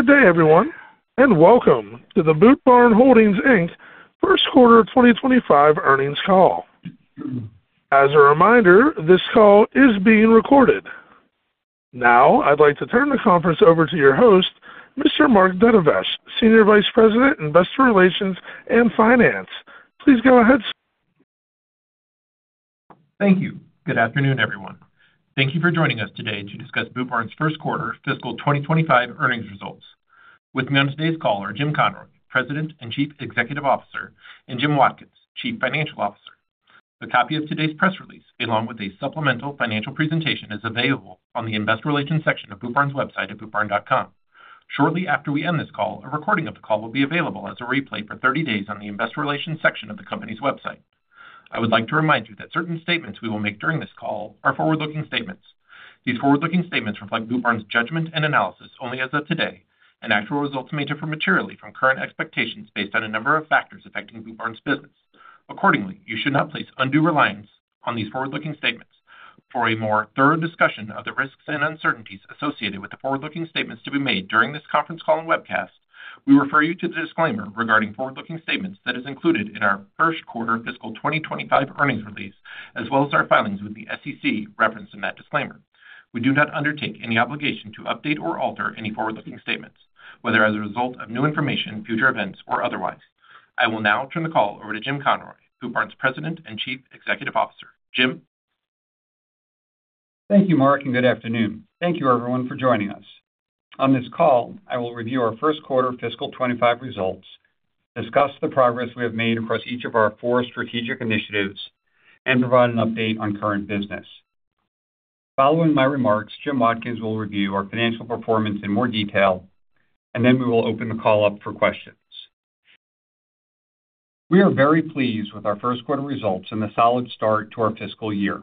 Good day, everyone, and welcome to the Boot Barn Holdings, Inc. First Quarter 2025 Earnings Call. As a reminder, this call is being recorded. Now, I'd like to turn the conference over to your host, Mr. Mark Dedovish, Senior Vice President, Investor Relations and Finance. Please go ahead, sir. Thank you. Good afternoon, everyone. Thank you for joining us today to discuss Boot Barn's First Quarter Fiscal 2025 Earnings Results. With me on today's call are Jim Conroy, President and Chief Executive Officer, and Jim Watkins, Chief Financial Officer. A copy of today's press release, along with a supplemental financial presentation, is available on the investor relations section of Boot Barn's website at bootbarn.com. Shortly after we end this call, a recording of the call will be available as a replay for 30 days on the investor relations section of the company's website. I would like to remind you that certain statements we will make during this call are forward-looking statements. These forward-looking statements reflect Boot Barn's judgment and analysis only as of today, and actual results may differ materially from current expectations based on a number of factors affecting Boot Barn's business. Accordingly, you should not place undue reliance on these forward-looking statements. For a more thorough discussion of the risks and uncertainties associated with the forward-looking statements to be made during this conference call and webcast, we refer you to the disclaimer regarding forward-looking statements that is included in our first quarter fiscal 2025 earnings release, as well as our filings with the SEC referenced in that disclaimer. We do not undertake any obligation to update or alter any forward-looking statements, whether as a result of new information, future events, or otherwise. I will now turn the call over to Jim Conroy, Boot Barn's President and Chief Executive Officer. Jim? Thank you, Mark, and good afternoon. Thank you, everyone, for joining us. On this call, I will review our first quarter fiscal 2025 results, discuss the progress we have made across each of our four strategic initiatives, and provide an update on current business. Following my remarks, Jim Watkins will review our financial performance in more detail, and then we will open the call up for questions. We are very pleased with our first quarter results and the solid start to our fiscal year.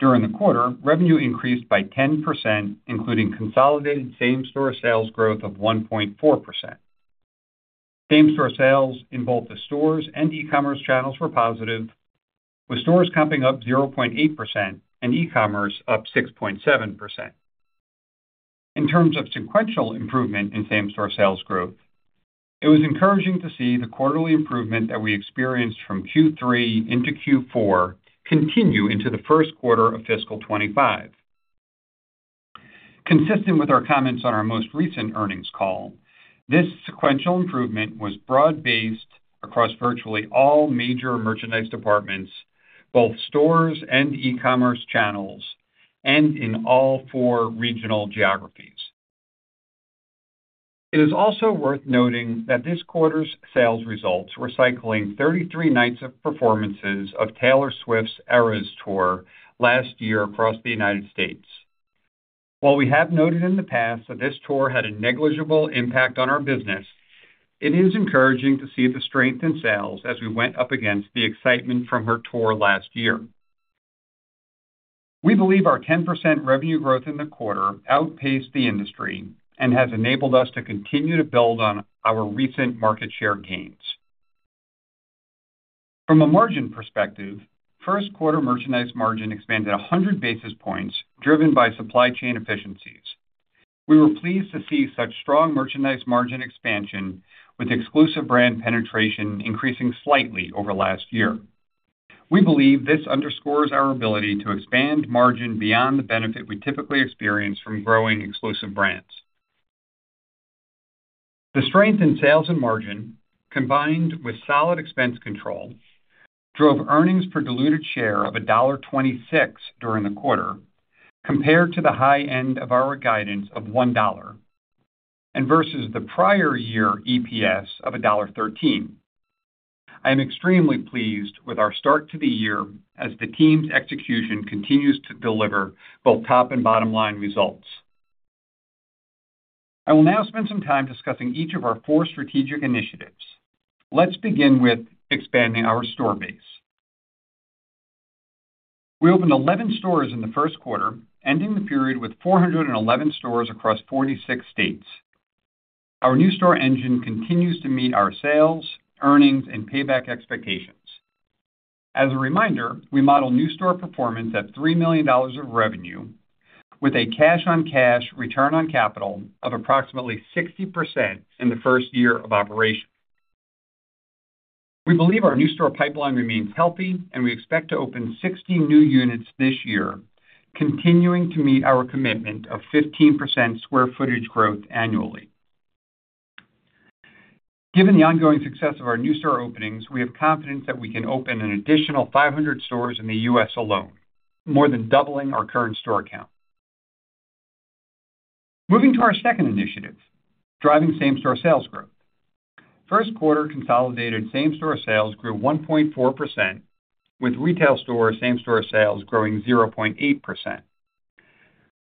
During the quarter, revenue increased by 10%, including consolidated same-store sales growth of 1.4%. Same-store sales in both the stores and e-commerce channels were positive, with stores comping up 0.8% and e-commerce up 6.7%. In terms of sequential improvement in same-store sales growth, it was encouraging to see the quarterly improvement that we experienced from Q3 into Q4 continue into the first quarter of fiscal 2025. Consistent with our comments on our most recent earnings call, this sequential improvement was broad-based across virtually all major merchandise departments, both stores and e-commerce channels, and in all four regional geographies. It is also worth noting that this quarter's sales results were cycling 33 nights of performances of Taylor Swift's Eras Tour last year across the United States. While we have noted in the past that this tour had a negligible impact on our business, it is encouraging to see the strength in sales as we went up against the excitement from her tour last year. We believe our 10% revenue growth in the quarter outpaced the industry and has enabled us to continue to build on our recent market share gains. From a margin perspective, first quarter merchandise margin expanded 100 basis points, driven by supply chain efficiencies. We were pleased to see such strong merchandise margin expansion, with exclusive brand penetration increasing slightly over last year. We believe this underscores our ability to expand margin beyond the benefit we typically experience from growing exclusive brands. The strength in sales and margin, combined with solid expense control, drove earnings per diluted share of $1.26 during the quarter, compared to the high end of our guidance of $1 and versus the prior year EPS of $1.13. I am extremely pleased with our start to the year as the team's execution continues to deliver both top and bottom-line results. I will now spend some time discussing each of our four strategic initiatives. Let's begin with expanding our store base. We opened 11 stores in the first quarter, ending the period with 411 stores across 46 states. Our new store engine continues to meet our sales, earnings, and payback expectations. As a reminder, we model new store performance at $3 million of revenue with a cash-on-cash return on capital of approximately 60% in the first year of operation. We believe our new store pipeline remains healthy, and we expect to open 16 new units this year, continuing to meet our commitment of 15% square footage growth annually. Given the ongoing success of our new store openings, we have confidence that we can open an additional 500 stores in the U.S. alone, more than doubling our current store count. Moving to our second initiative, driving same-store sales growth. First quarter consolidated same-store sales grew 1.4%, with retail store same-store sales growing 0.8%.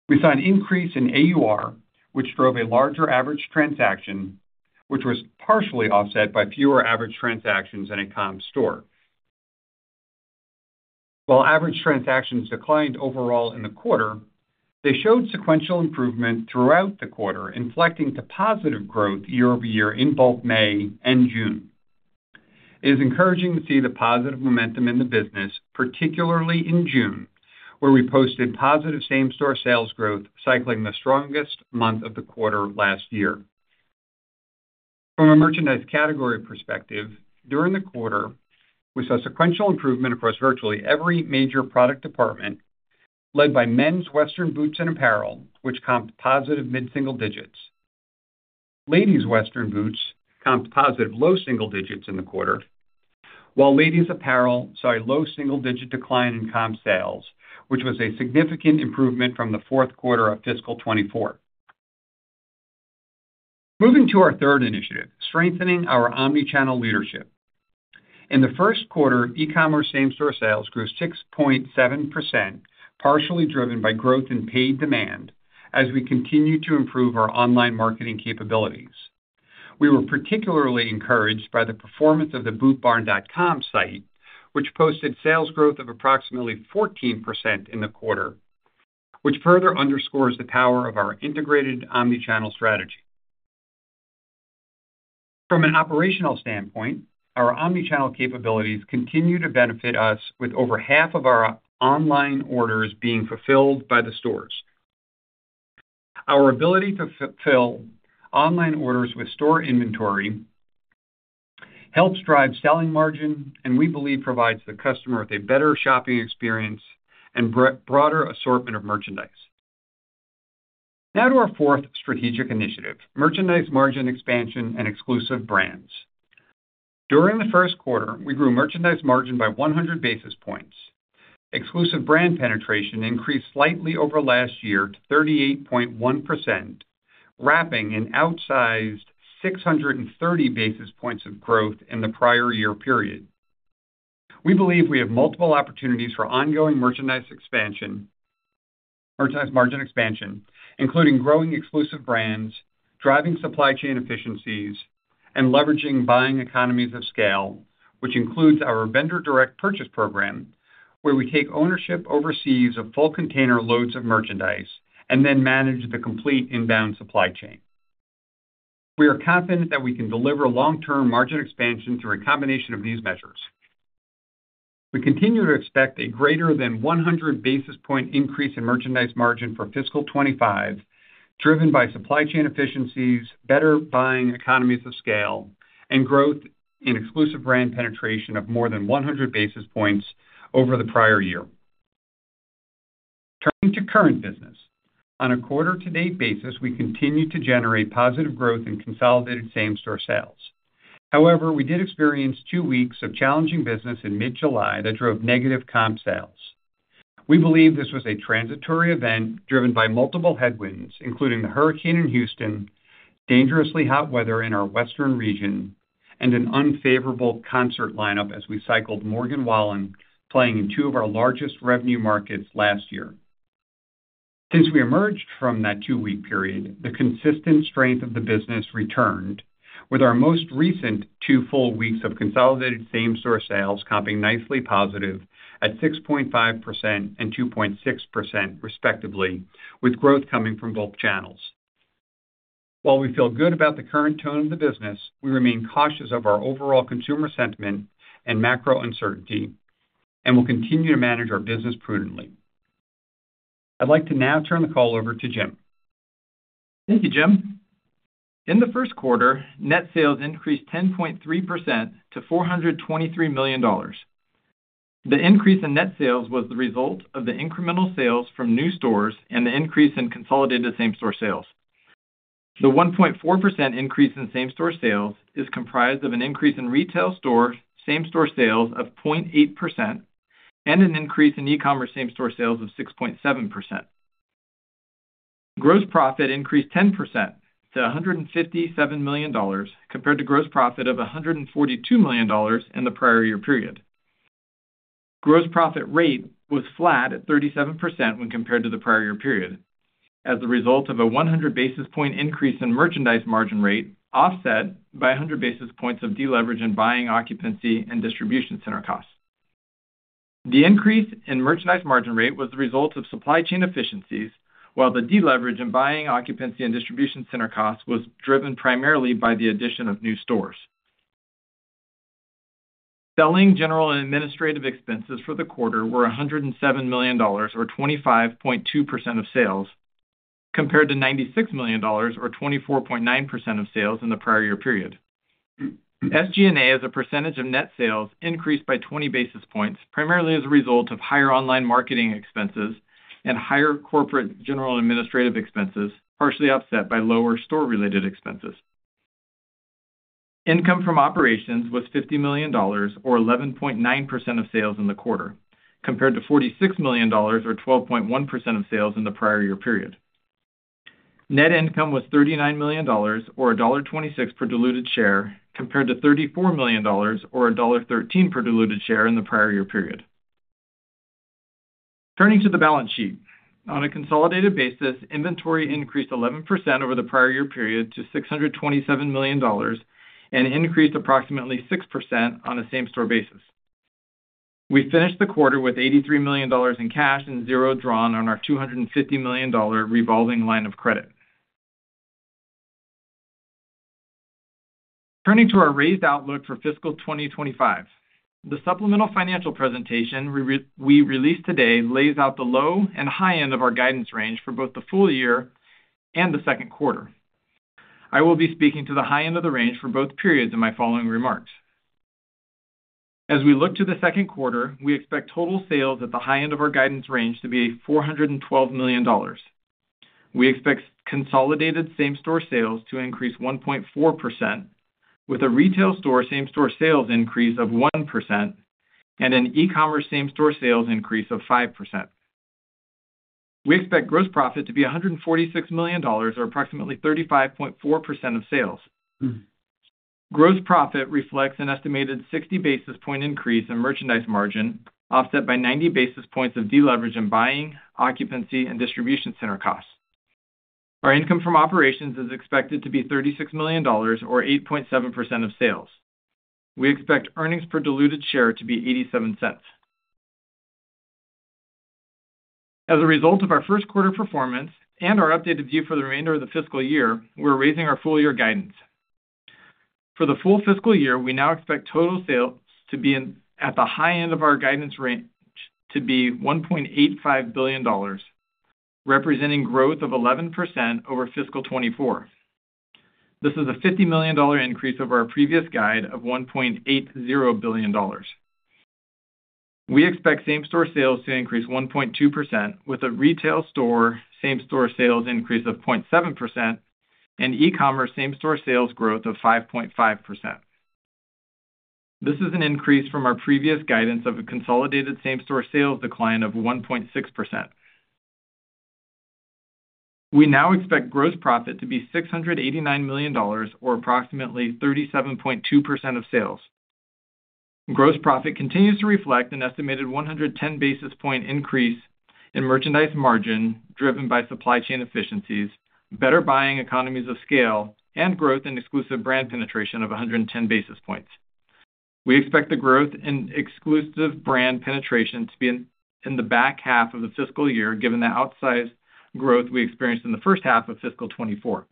We saw an increase in AUR, which drove a larger average transaction, which was partially offset by fewer average transactions in a comp store. While average transactions declined overall in the quarter, they showed sequential improvement throughout the quarter, inflecting to positive growth year-over-year in both May and June. It is encouraging to see the positive momentum in the business, particularly in June, where we posted positive same-store sales growth, cycling the strongest month of the quarter last year. From a merchandise category perspective, during the quarter, we saw sequential improvement across virtually every major product department, led by men's western boots and apparel, which comped positive mid-single digits. Ladies' western boots comped positive low single digits in the quarter, while ladies' apparel saw a low single-digit decline in comp sales, which was a significant improvement from the fourth quarter of fiscal 2024. Moving to our third initiative, strengthening our omni-channel leadership. In the first quarter, e-commerce same-store sales grew 6.7%, partially driven by growth in paid demand as we continued to improve our online marketing capabilities. We were particularly encouraged by the performance of the bootbarn.com site, which posted sales growth of approximately 14% in the quarter, which further underscores the power of our integrated omni-channel strategy. From an operational standpoint, our omni-channel capabilities continue to benefit us, with over half of our online orders being fulfilled by the stores. Our ability to fulfill online orders with store inventory helps drive selling margin, and we believe provides the customer with a better shopping experience and broader assortment of merchandise. Now to our fourth strategic initiative, merchandise margin expansion and exclusive brands. During the first quarter, we grew merchandise margin by 100 basis points. Exclusive brand penetration increased slightly over last year to 38.1%, wrapping an outsized 630 basis points of growth in the prior year period. We believe we have multiple opportunities for ongoing merchandise margin expansion, including growing exclusive brands, driving supply chain efficiencies, and leveraging buying economies of scale, which includes our vendor direct purchase program, where we take ownership overseas of full container loads of merchandise and then manage the complete inbound supply chain. We are confident that we can deliver long-term margin expansion through a combination of these measures. We continue to expect a greater than 100 basis point increase in merchandise margin for fiscal 2025, driven by supply chain efficiencies, better buying economies of scale, and growth in exclusive brand penetration of more than 100 basis points over the prior year. Turning to current business. On a quarter-to-date basis, we continue to generate positive growth in consolidated same-store sales. However, we did experience two weeks of challenging business in mid-July that drove negative comp sales. We believe this was a transitory event driven by multiple headwinds, including the hurricane in Houston, dangerously hot weather in our Western region, and an unfavorable concert lineup as we cycled Morgan Wallen playing in two of our largest revenue markets last year. Since we emerged from that two-week period, the consistent strength of the business returned, with our most recent two full weeks of consolidated same-store sales comping nicely positive at 6.5% and 2.6%, respectively, with growth coming from both channels. While we feel good about the current tone of the business, we remain cautious of our overall consumer sentiment and macro uncertainty, and we'll continue to manage our business prudently. I'd like to now turn the call over to Jim. Thank you, Jim. In the first quarter, net sales increased 10.3% to $423 million. The increase in net sales was the result of the incremental sales from new stores and the increase in consolidated same-store sales. The 1.4% increase in same-store sales is comprised of an increase in retail store same-store sales of 0.8% and an increase in e-commerce same-store sales of 6.7%. Gross profit increased 10% to $157 million, compared to gross profit of $142 million in the prior year period. Gross profit rate was flat at 37% when compared to the prior year period, as a result of a 100 basis points increase in merchandise margin rate, offset by 100 basis points of deleverage in buying, occupancy, and distribution center costs. The increase in merchandise margin rate was the result of supply chain efficiencies, while the deleverage in buying, occupancy, and distribution center costs was driven primarily by the addition of new stores. Selling, general, and administrative expenses for the quarter were $107 million, or 25.2% of sales, compared to $96 million, or 24.9% of sales in the prior year period. SG&A, as a percentage of net sales, increased by 20 basis points, primarily as a result of higher online marketing expenses and higher corporate general administrative expenses, partially offset by lower store-related expenses. Income from Operations was $50 million, or 11.9% of sales in the quarter, compared to $46 million, or 12.1% of sales in the prior year period. Net Income was $39 million, or $1.26 per diluted share, compared to $34 million, or $1.13 per diluted share in the prior year period. Turning to the balance sheet. On a consolidated basis, inventory increased 11% over the prior year period to $627 million, and increased approximately 6% on a same-store basis. We finished the quarter with $83 million in cash and zero drawn on our $250 million revolving line of credit.... Turning to our raised outlook for fiscal 2025. The supplemental financial presentation we released today lays out the low and high end of our guidance range for both the full year and the second quarter. I will be speaking to the high end of the range for both periods in my following remarks. As we look to the second quarter, we expect total sales at the high end of our guidance range to be $412 million. We expect consolidated same-store sales to increase 1.4%, with a retail store same-store sales increase of 1% and an e-commerce same-store sales increase of 5%. We expect gross profit to be $146 million, or approximately 35.4% of sales. Gross profit reflects an estimated 60 basis points increase in merchandise margin, offset by 90 basis points of deleverage in buying, occupancy, and distribution center costs. Our income from operations is expected to be $36 million, or 8.7% of sales. We expect earnings per diluted share to be $0.87. As a result of our first quarter performance and our updated view for the remainder of the fiscal year, we're raising our full year guidance. For the full fiscal year, we now expect total sales to be at the high end of our guidance range to be $1.85 billion, representing growth of 11% over fiscal 2024. This is a $50 million increase over our previous guide of $1.80 billion. We expect same-store sales to increase 1.2%, with a retail store same-store sales increase of 0.7% and e-commerce same-store sales growth of 5.5%. This is an increase from our previous guidance of a consolidated same-store sales decline of 1.6%. We now expect gross profit to be $689 million, or approximately 37.2% of sales. Gross profit continues to reflect an estimated 110 basis point increase in merchandise margin, driven by supply chain efficiencies, better buying economies of scale, and growth in exclusive brand penetration of 110 basis points. We expect the growth in exclusive brand penetration to be in the back half of the fiscal year, given the outsized growth we experienced in the first half of fiscal 2024.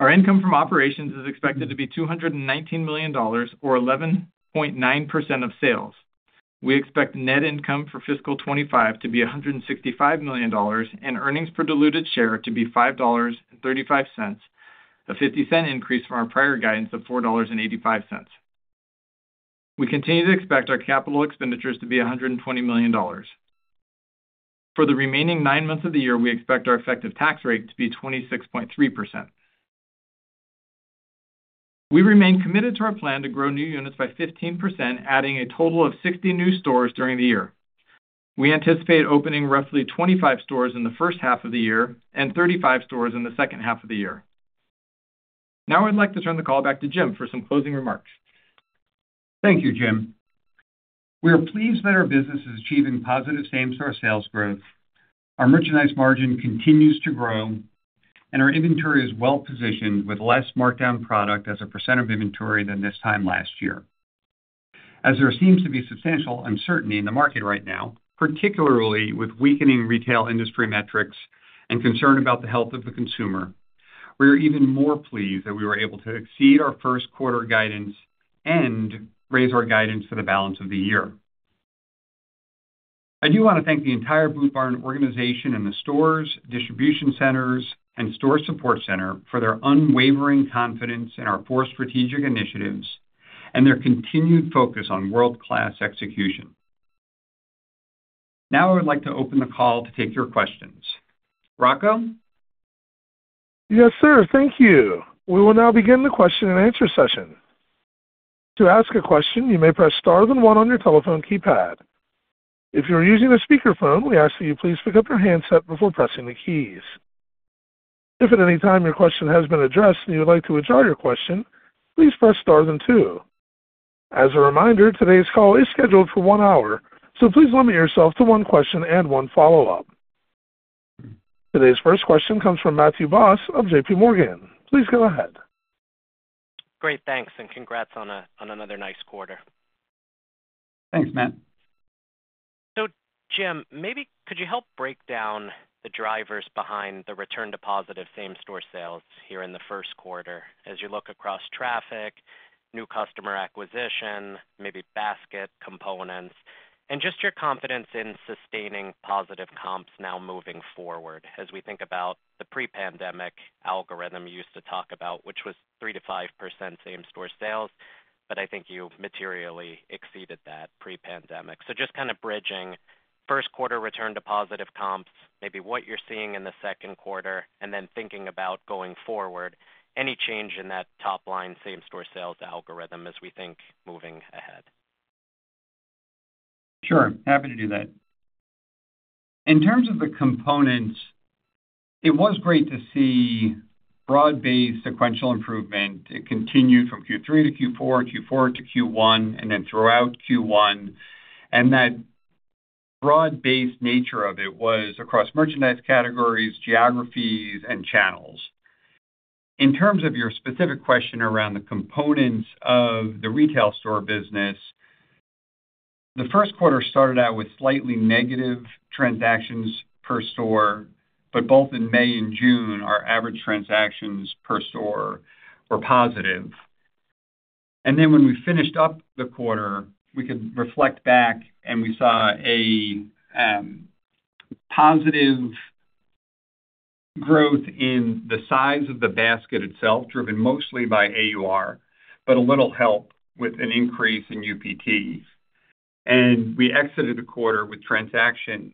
Our income from operations is expected to be $219 million, or 11.9% of sales. We expect net income for fiscal 2025 to be $165 million, and earnings per diluted share to be $5.35, a $0.50 increase from our prior guidance of $4.85. We continue to expect our capital expenditures to be $120 million. For the remaining nine months of the year, we expect our effective tax rate to be 26.3%. We remain committed to our plan to grow new units by 15%, adding a total of 60 new stores during the year. We anticipate opening roughly 25 stores in the first half of the year and 35 stores in the second half of the year. Now, I'd like to turn the call back to Jim for some closing remarks. Thank you, Jim. We are pleased that our business is achieving positive same-store sales growth. Our merchandise margin continues to grow, and our inventory is well-positioned, with less markdown product as a percent of inventory than this time last year. As there seems to be substantial uncertainty in the market right now, particularly with weakening retail industry metrics and concern about the health of the consumer, we are even more pleased that we were able to exceed our first quarter guidance and raise our guidance for the balance of the year. I do want to thank the entire Boot Barn organization in the stores, distribution centers, and store support center for their unwavering confidence in our four strategic initiatives and their continued focus on world-class execution. Now, I would like to open the call to take your questions. Rocco? Yes, sir. Thank you. We will now begin the question and answer session. To ask a question, you may press star, then one on your telephone keypad. If you're using a speakerphone, we ask that you please pick up your handset before pressing the keys. If at any time your question has been addressed and you would like to withdraw your question, please press star, then two. As a reminder, today's call is scheduled for one hour, so please limit yourself to one question and one follow-up. Today's first question comes from Matthew Boss of J.P. Morgan. Please go ahead. Great, thanks, and congrats on another nice quarter. Thanks, Matt. Jim, maybe could you help break down the drivers behind the return to positive same-store sales here in the first quarter as you look across traffic, new customer acquisition, maybe basket components, and just your confidence in sustaining positive comps now moving forward, as we think about the pre-pandemic algorithm you used to talk about, which was 3%-5% same-store sales, but I think you've materially exceeded that pre-pandemic. Just kind of bridging first quarter return to positive comps, maybe what you're seeing in the second quarter, and then thinking about going forward, any change in that top-line same-store sales algorithm as we think moving ahead? Sure, happy to do that. In terms of the components, it was great to see broad-based sequential improvement. It continued from Q3 to Q4, Q4 to Q1, and then throughout Q1, and that broad-based nature of it was across merchandise categories, geographies, and channels. In terms of your specific question around the components of the retail store business. The first quarter started out with slightly negative transactions per store, but both in May and June, our average transactions per store were positive. And then when we finished up the quarter, we could reflect back and we saw a positive growth in the size of the basket itself, driven mostly by AUR, but a little help with an increase in UPT. And we exited the quarter with transactions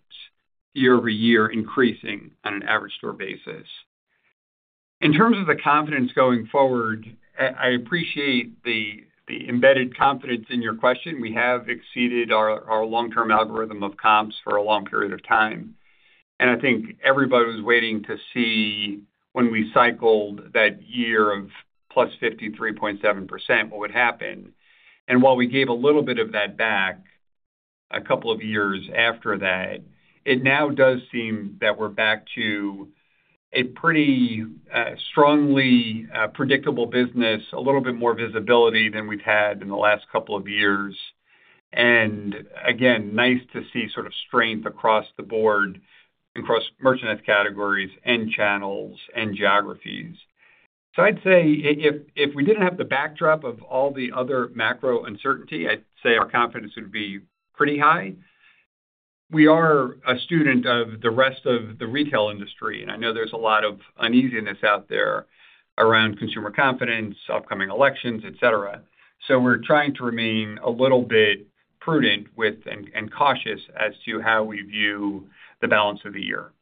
year-over-year increasing on an average store basis. In terms of the confidence going forward, I appreciate the embedded confidence in your question. We have exceeded our long-term algorithm of comps for a long period of time, and I think everybody was waiting to see when we cycled that year of +53.7%, what would happen. While we gave a little bit of that back a couple of years after that, it now does seem that we're back to a pretty strongly predictable business, a little bit more visibility than we've had in the last couple of years. And again, nice to see sort of strength across the board, across merchandise categories and channels and geographies. So I'd say if we didn't have the backdrop of all the other macro uncertainty, I'd say our confidence would be pretty high. We are a student of the rest of the retail industry, and I know there's a lot of uneasiness out there around consumer confidence, upcoming elections, et cetera. So we're trying to remain a little bit prudent and cautious as to how we view the balance of the year.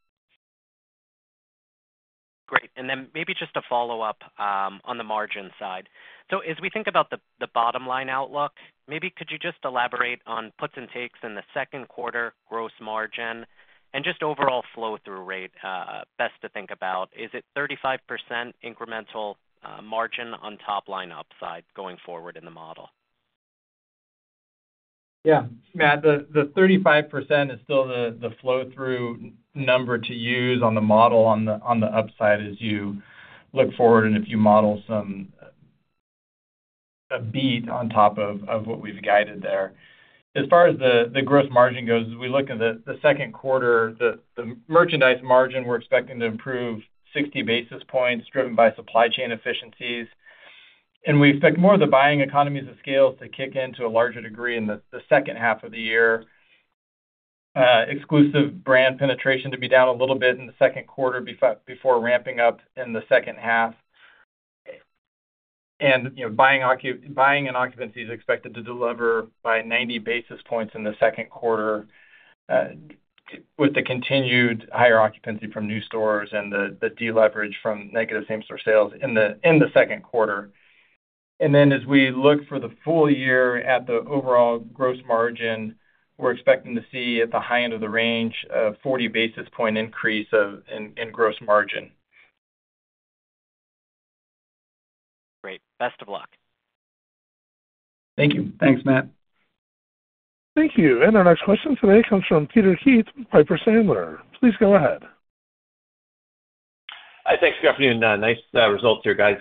Great. Then maybe just a follow-up on the margin side. So as we think about the bottom line outlook, maybe could you just elaborate on puts and takes in the second quarter gross margin and just overall flow through rate, best to think about, is it 35% incremental margin on top line upside going forward in the model? Yeah, Matt, the 35% is still the flow through number to use on the model on the upside as you look forward and if you model some a beat on top of what we've guided there. As far as the gross margin goes, as we look at the second quarter, the merchandise margin, we're expecting to improve 60 basis points, driven by supply chain efficiencies. And we expect more of the buying economies of scale to kick in to a larger degree in the second half of the year. Exclusive brand penetration to be down a little bit in the second quarter before ramping up in the second half. You know, buying and occupancy is expected to deliver by 90 basis points in the second quarter, with the continued higher occupancy from new stores and the deleverage from negative same-store sales in the second quarter. And then as we look for the full year at the overall gross margin, we're expecting to see at the high end of the range, a 40 basis point increase in gross margin. Great. Best of luck. Thank you. Thanks, Matt. Thank you. Our next question today comes from Peter Keith, Piper Sandler. Please go ahead. Hi, thanks. Good afternoon. Nice results here, guys.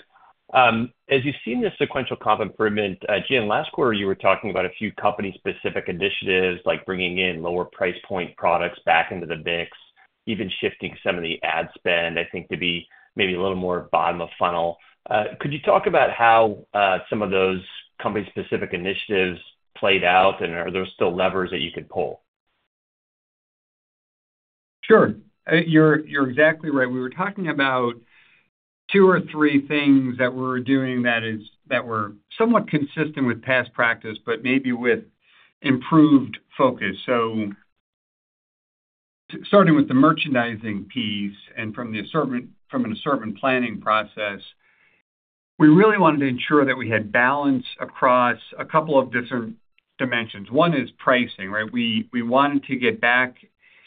As you've seen this sequential comp improvement, Jim, last quarter, you were talking about a few company-specific initiatives, like bringing in lower price point products back into the mix, even shifting some of the ad spend, I think, to be maybe a little more bottom of funnel. Could you talk about how some of those company-specific initiatives played out, and are there still levers that you could pull? Sure. You're, you're exactly right. We were talking about two or three things that we're doing that is—that were somewhat consistent with past practice, but maybe with improved focus. So starting with the merchandising piece and from the assortment, from an assortment planning process, we really wanted to ensure that we had balance across a couple of different dimensions. One is pricing, right? We, we wanted to get back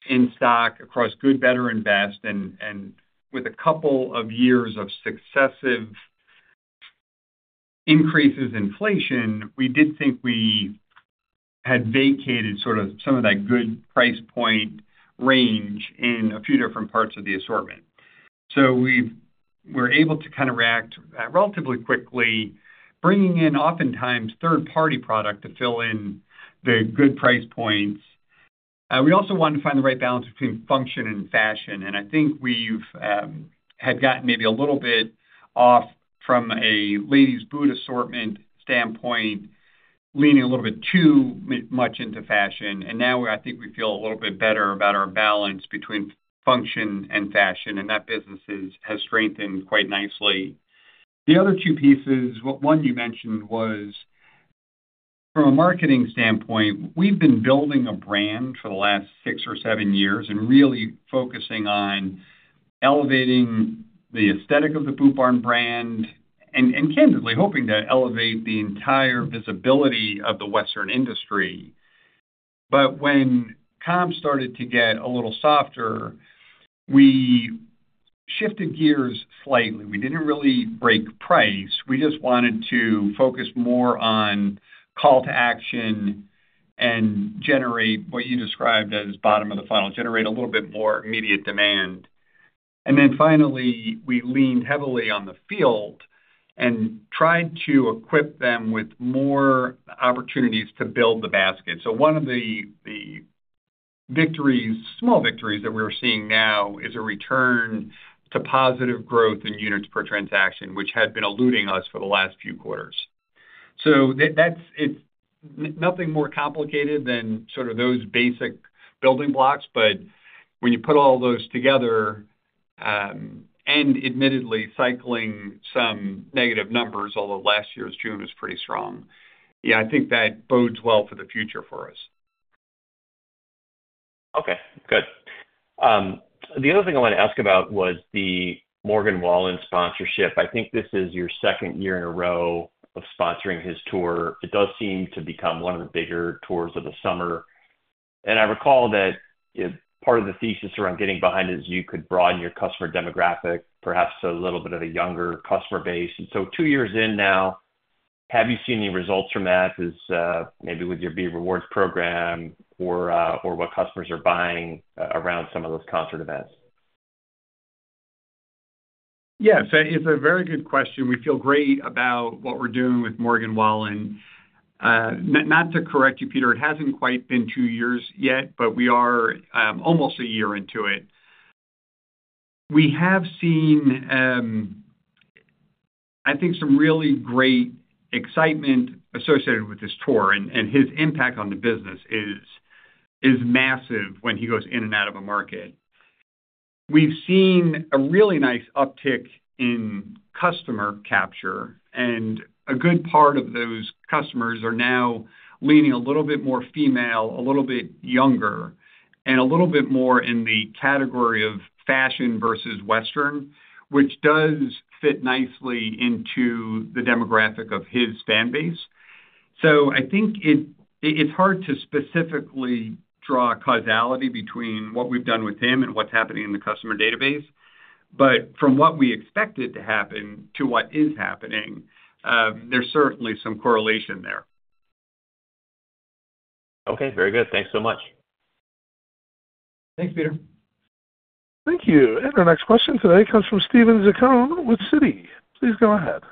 in stock across good, better, and best, and, and with a couple of years of successive increases inflation, we did think we had vacated sort of some of that good price point range in a few different parts of the assortment. So we've—we're able to kind of react, relatively quickly, bringing in, oftentimes, third-party product to fill in the good price points. We also wanted to find the right balance between function and fashion, and I think we've had gotten maybe a little bit off from a ladies boot assortment standpoint, leaning a little bit too much into fashion. And now, I think we feel a little bit better about our balance between function and fashion, and that business has strengthened quite nicely. The other two pieces, one you mentioned, was from a marketing standpoint. We've been building a brand for the last six or seven years and really focusing on elevating the aesthetic of the Boot Barn brand and candidly hoping to elevate the entire visibility of the Western industry. But when comps started to get a little softer, we shifted gears slightly. We didn't really break price. We just wanted to focus more on call to action and generate what you described as bottom of the funnel, generate a little bit more immediate demand. Then finally, we leaned heavily on the field and tried to equip them with more opportunities to build the basket. So one of the victories, small victories that we're seeing now is a return to positive growth in units per transaction, which had been eluding us for the last few quarters. So that's, it's nothing more complicated than sort of those basic building blocks, but when you put all those together, and admittedly, cycling some negative numbers, although last year's June was pretty strong. Yeah, I think that bodes well for the future for us. Okay, good. The other thing I wanted to ask about was the Morgan Wallen sponsorship. I think this is your second year in a row of sponsoring his tour. It does seem to become one of the bigger tours of the summer. And I recall that, you know, part of the thesis around getting behind it is you could broaden your customer demographic, perhaps to a little bit of a younger customer base. And so two years in now, have you seen any results from that? Is, maybe with your B Rewarded program or, or what customers are buying around some of those concert events? Yes, it's a very good question. We feel great about what we're doing with Morgan Wallen. Not, not to correct you, Peter, it hasn't quite been two years yet, but we are almost a year into it. We have seen, I think some really great excitement associated with this tour, and his impact on the business is massive when he goes in and out of a market. We've seen a really nice uptick in customer capture, and a good part of those customers are now leaning a little bit more female, a little bit younger, and a little bit more in the category of fashion versus western, which does fit nicely into the demographic of his fan base. So I think it's hard to specifically draw a causality between what we've done with him and what's happening in the customer database. But from what we expected to happen to what is happening, there's certainly some correlation there. Okay, very good. Thanks so much. Thanks, Peter. Thank you. Our next question today comes from Managing Director, Senior Research Analyst. Please go ahead.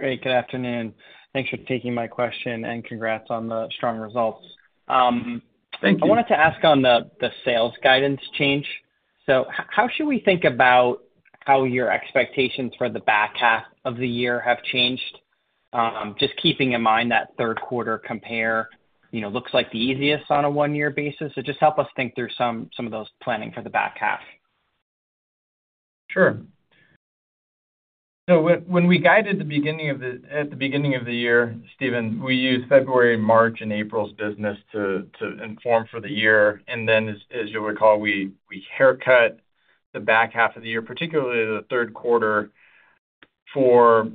Great, good afternoon. Thanks for taking my question, and congrats on the strong results. Thank you. I wanted to ask on the sales guidance change. So how should we think about how your expectations for the back half of the year have changed? Just keeping in mind that third quarter compare, you know, looks like the easiest on a one-year basis. So just help us think through some of those planning for the back half. Sure. So when we guided at the beginning of the year, Steven, we used February, March, and April's business to inform for the year. And then, as you'll recall, we haircut the back half of the year, particularly the third quarter, for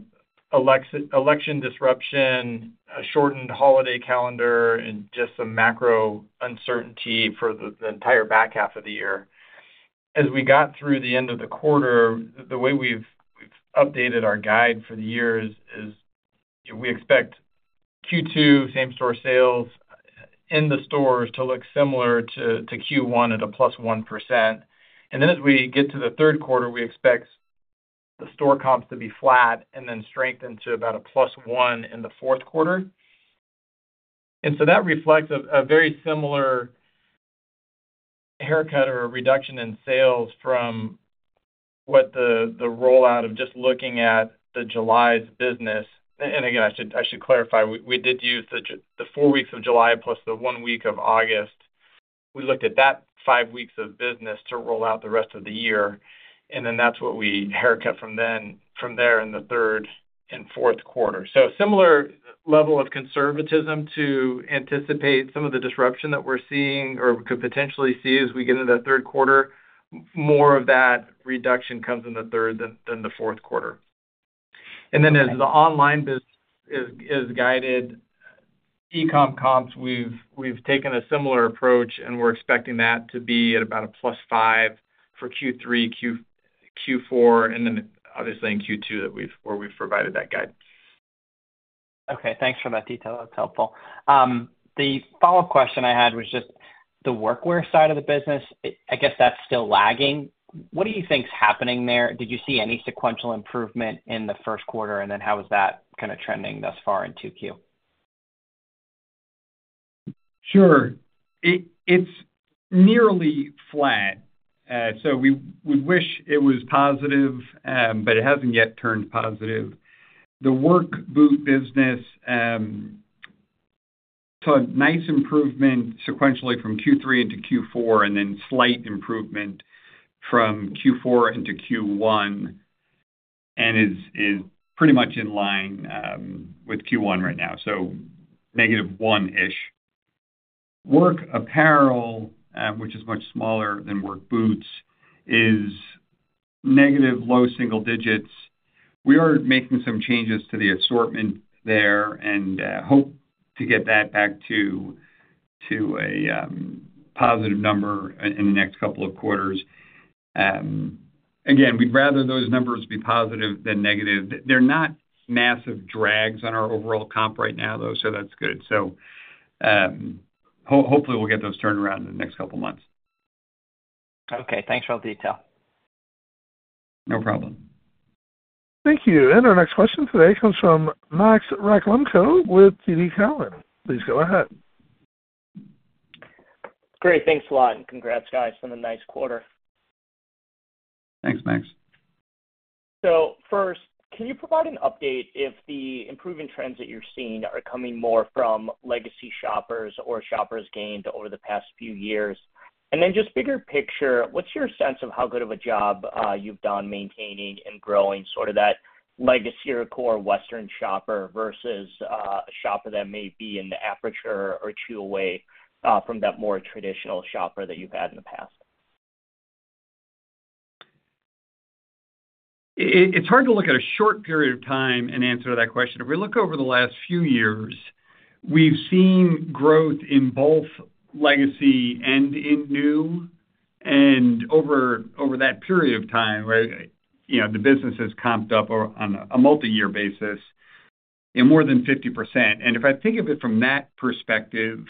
election disruption, a shortened holiday calendar, and just some macro uncertainty for the entire back half of the year. As we got through the end of the quarter, the way we've updated our guide for the year is we expect Q2 same-store sales in the stores to look similar to Q1 at +1%. And then as we get to the third quarter, we expect the store comps to be flat and then strengthen to about +1% in the fourth quarter. And so that reflects a very similar haircut or reduction in sales from what the rollout of just looking at the July's business. And again, I should clarify, we did use the 4 weeks of July plus the 1 week of August. We looked at that 5 weeks of business to roll out the rest of the year, and then that's what we haircut from there in the third and fourth quarter. So similar level of conservatism to anticipate some of the disruption that we're seeing or could potentially see as we get into that third quarter. More of that reduction comes in the third than the fourth quarter. Okay. And then as the online business is guided e-com comps, we've taken a similar approach, and we're expecting that to be at about a +5% for Q3, Q4, and then obviously in Q2, where we've provided that guide. Okay, thanks for that detail. That's helpful. The follow-up question I had was just the workwear side of the business. I guess that's still lagging. What do you think is happening there? Did you see any sequential improvement in the first quarter, and then how is that kind of trending thus far in 2Q? Sure. It's nearly flat. So we wish it was positive, but it hasn't yet turned positive. The work boot business saw a nice improvement sequentially from Q3 into Q4, and then slight improvement from Q4 into Q1, and is pretty much in line with Q1 right now, so negative 1-ish. Work apparel, which is much smaller than work boots, is negative low single digits. We are making some changes to the assortment there and hope to get that back to a positive number in the next couple of quarters. Again, we'd rather those numbers be positive than negative. They're not massive drags on our overall comp right now, though, so that's good. So hopefully, we'll get those turned around in the next couple months. Okay, thanks for all the detail. No problem. Thank you. And our next question today comes from Director, Retail Equity Research. Please go ahead. Great. Thanks a lot, and congrats, guys, on a nice quarter. Thanks, Max. First, can you provide an update if the improving trends that you're seeing are coming more from legacy shoppers or shoppers gained over the past few years? Then just bigger picture, what's your sense of how good of a job you've done maintaining and growing sort of that legacy or core Western shopper versus a shopper that may be in the aperture or two away from that more traditional shopper that you've had in the past? It's hard to look at a short period of time and answer that question. If we look over the last few years, we've seen growth in both legacy and in new, and over that period of time, right, you know, the business has comped up on a multi-year basis in more than 50%. And if I think of it from that perspective,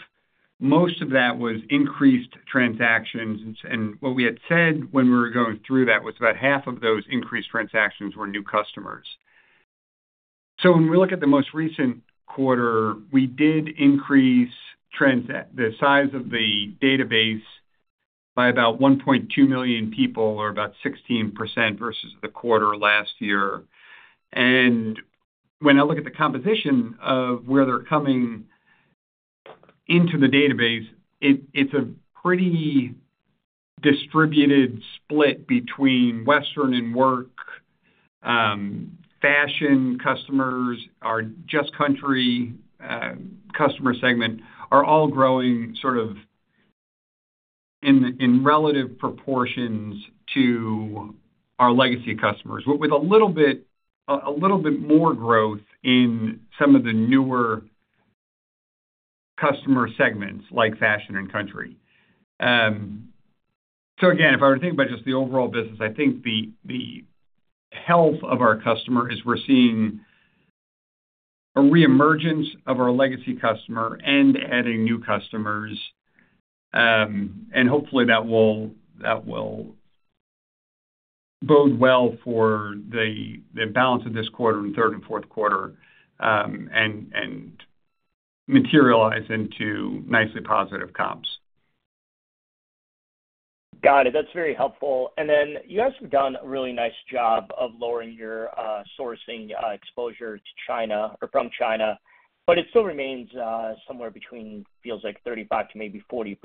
most of that was increased transactions. And what we had said when we were going through that was about half of those increased transactions were new customers. So when we look at the most recent quarter, we did increase the size of the database by about 1.2 million people, or about 16% versus the quarter last year. And when I look at the composition of where they're coming into the database, it's a pretty distributed split between Western and work, fashion customers, our just Country customer segment, are all growing sort of in relative proportions to our legacy customers, with a little bit more growth in some of the newer customer segments, like fashion and country. So again, if I were to think about just the overall business, I think the health of our customer is we're seeing a reemergence of our legacy customer and adding new customers. And hopefully that will bode well for the balance of this quarter and third and fourth quarter, and materialize into nicely positive comps. Got it. That's very helpful. And then you guys have done a really nice job of lowering your, sourcing, exposure to China or from China, but it still remains, somewhere between, feels like 35% to maybe 40%.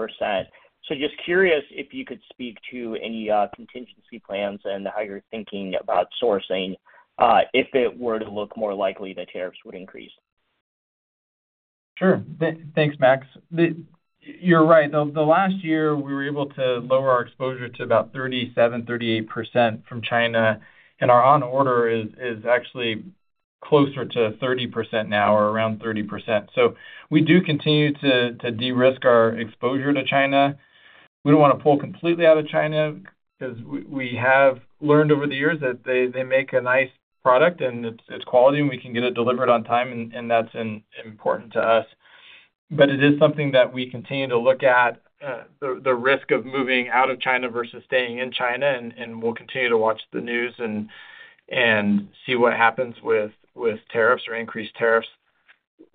So just curious if you could speak to any, contingency plans and how you're thinking about sourcing, if it were to look more likely that tariffs would increase. Sure. Thanks, Max. You're right. The last year, we were able to lower our exposure to about 37%-38% from China, and our on order is actually closer to 30% now or around 30%. So we do continue to de-risk our exposure to China. We don't want to pull completely out of China because we have learned over the years that they make a nice product, and it's quality, and we can get it delivered on time, and that's important to us. But it is something that we continue to look at the risk of moving out of China versus staying in China, and we'll continue to watch the news and see what happens with tariffs or increased tariffs.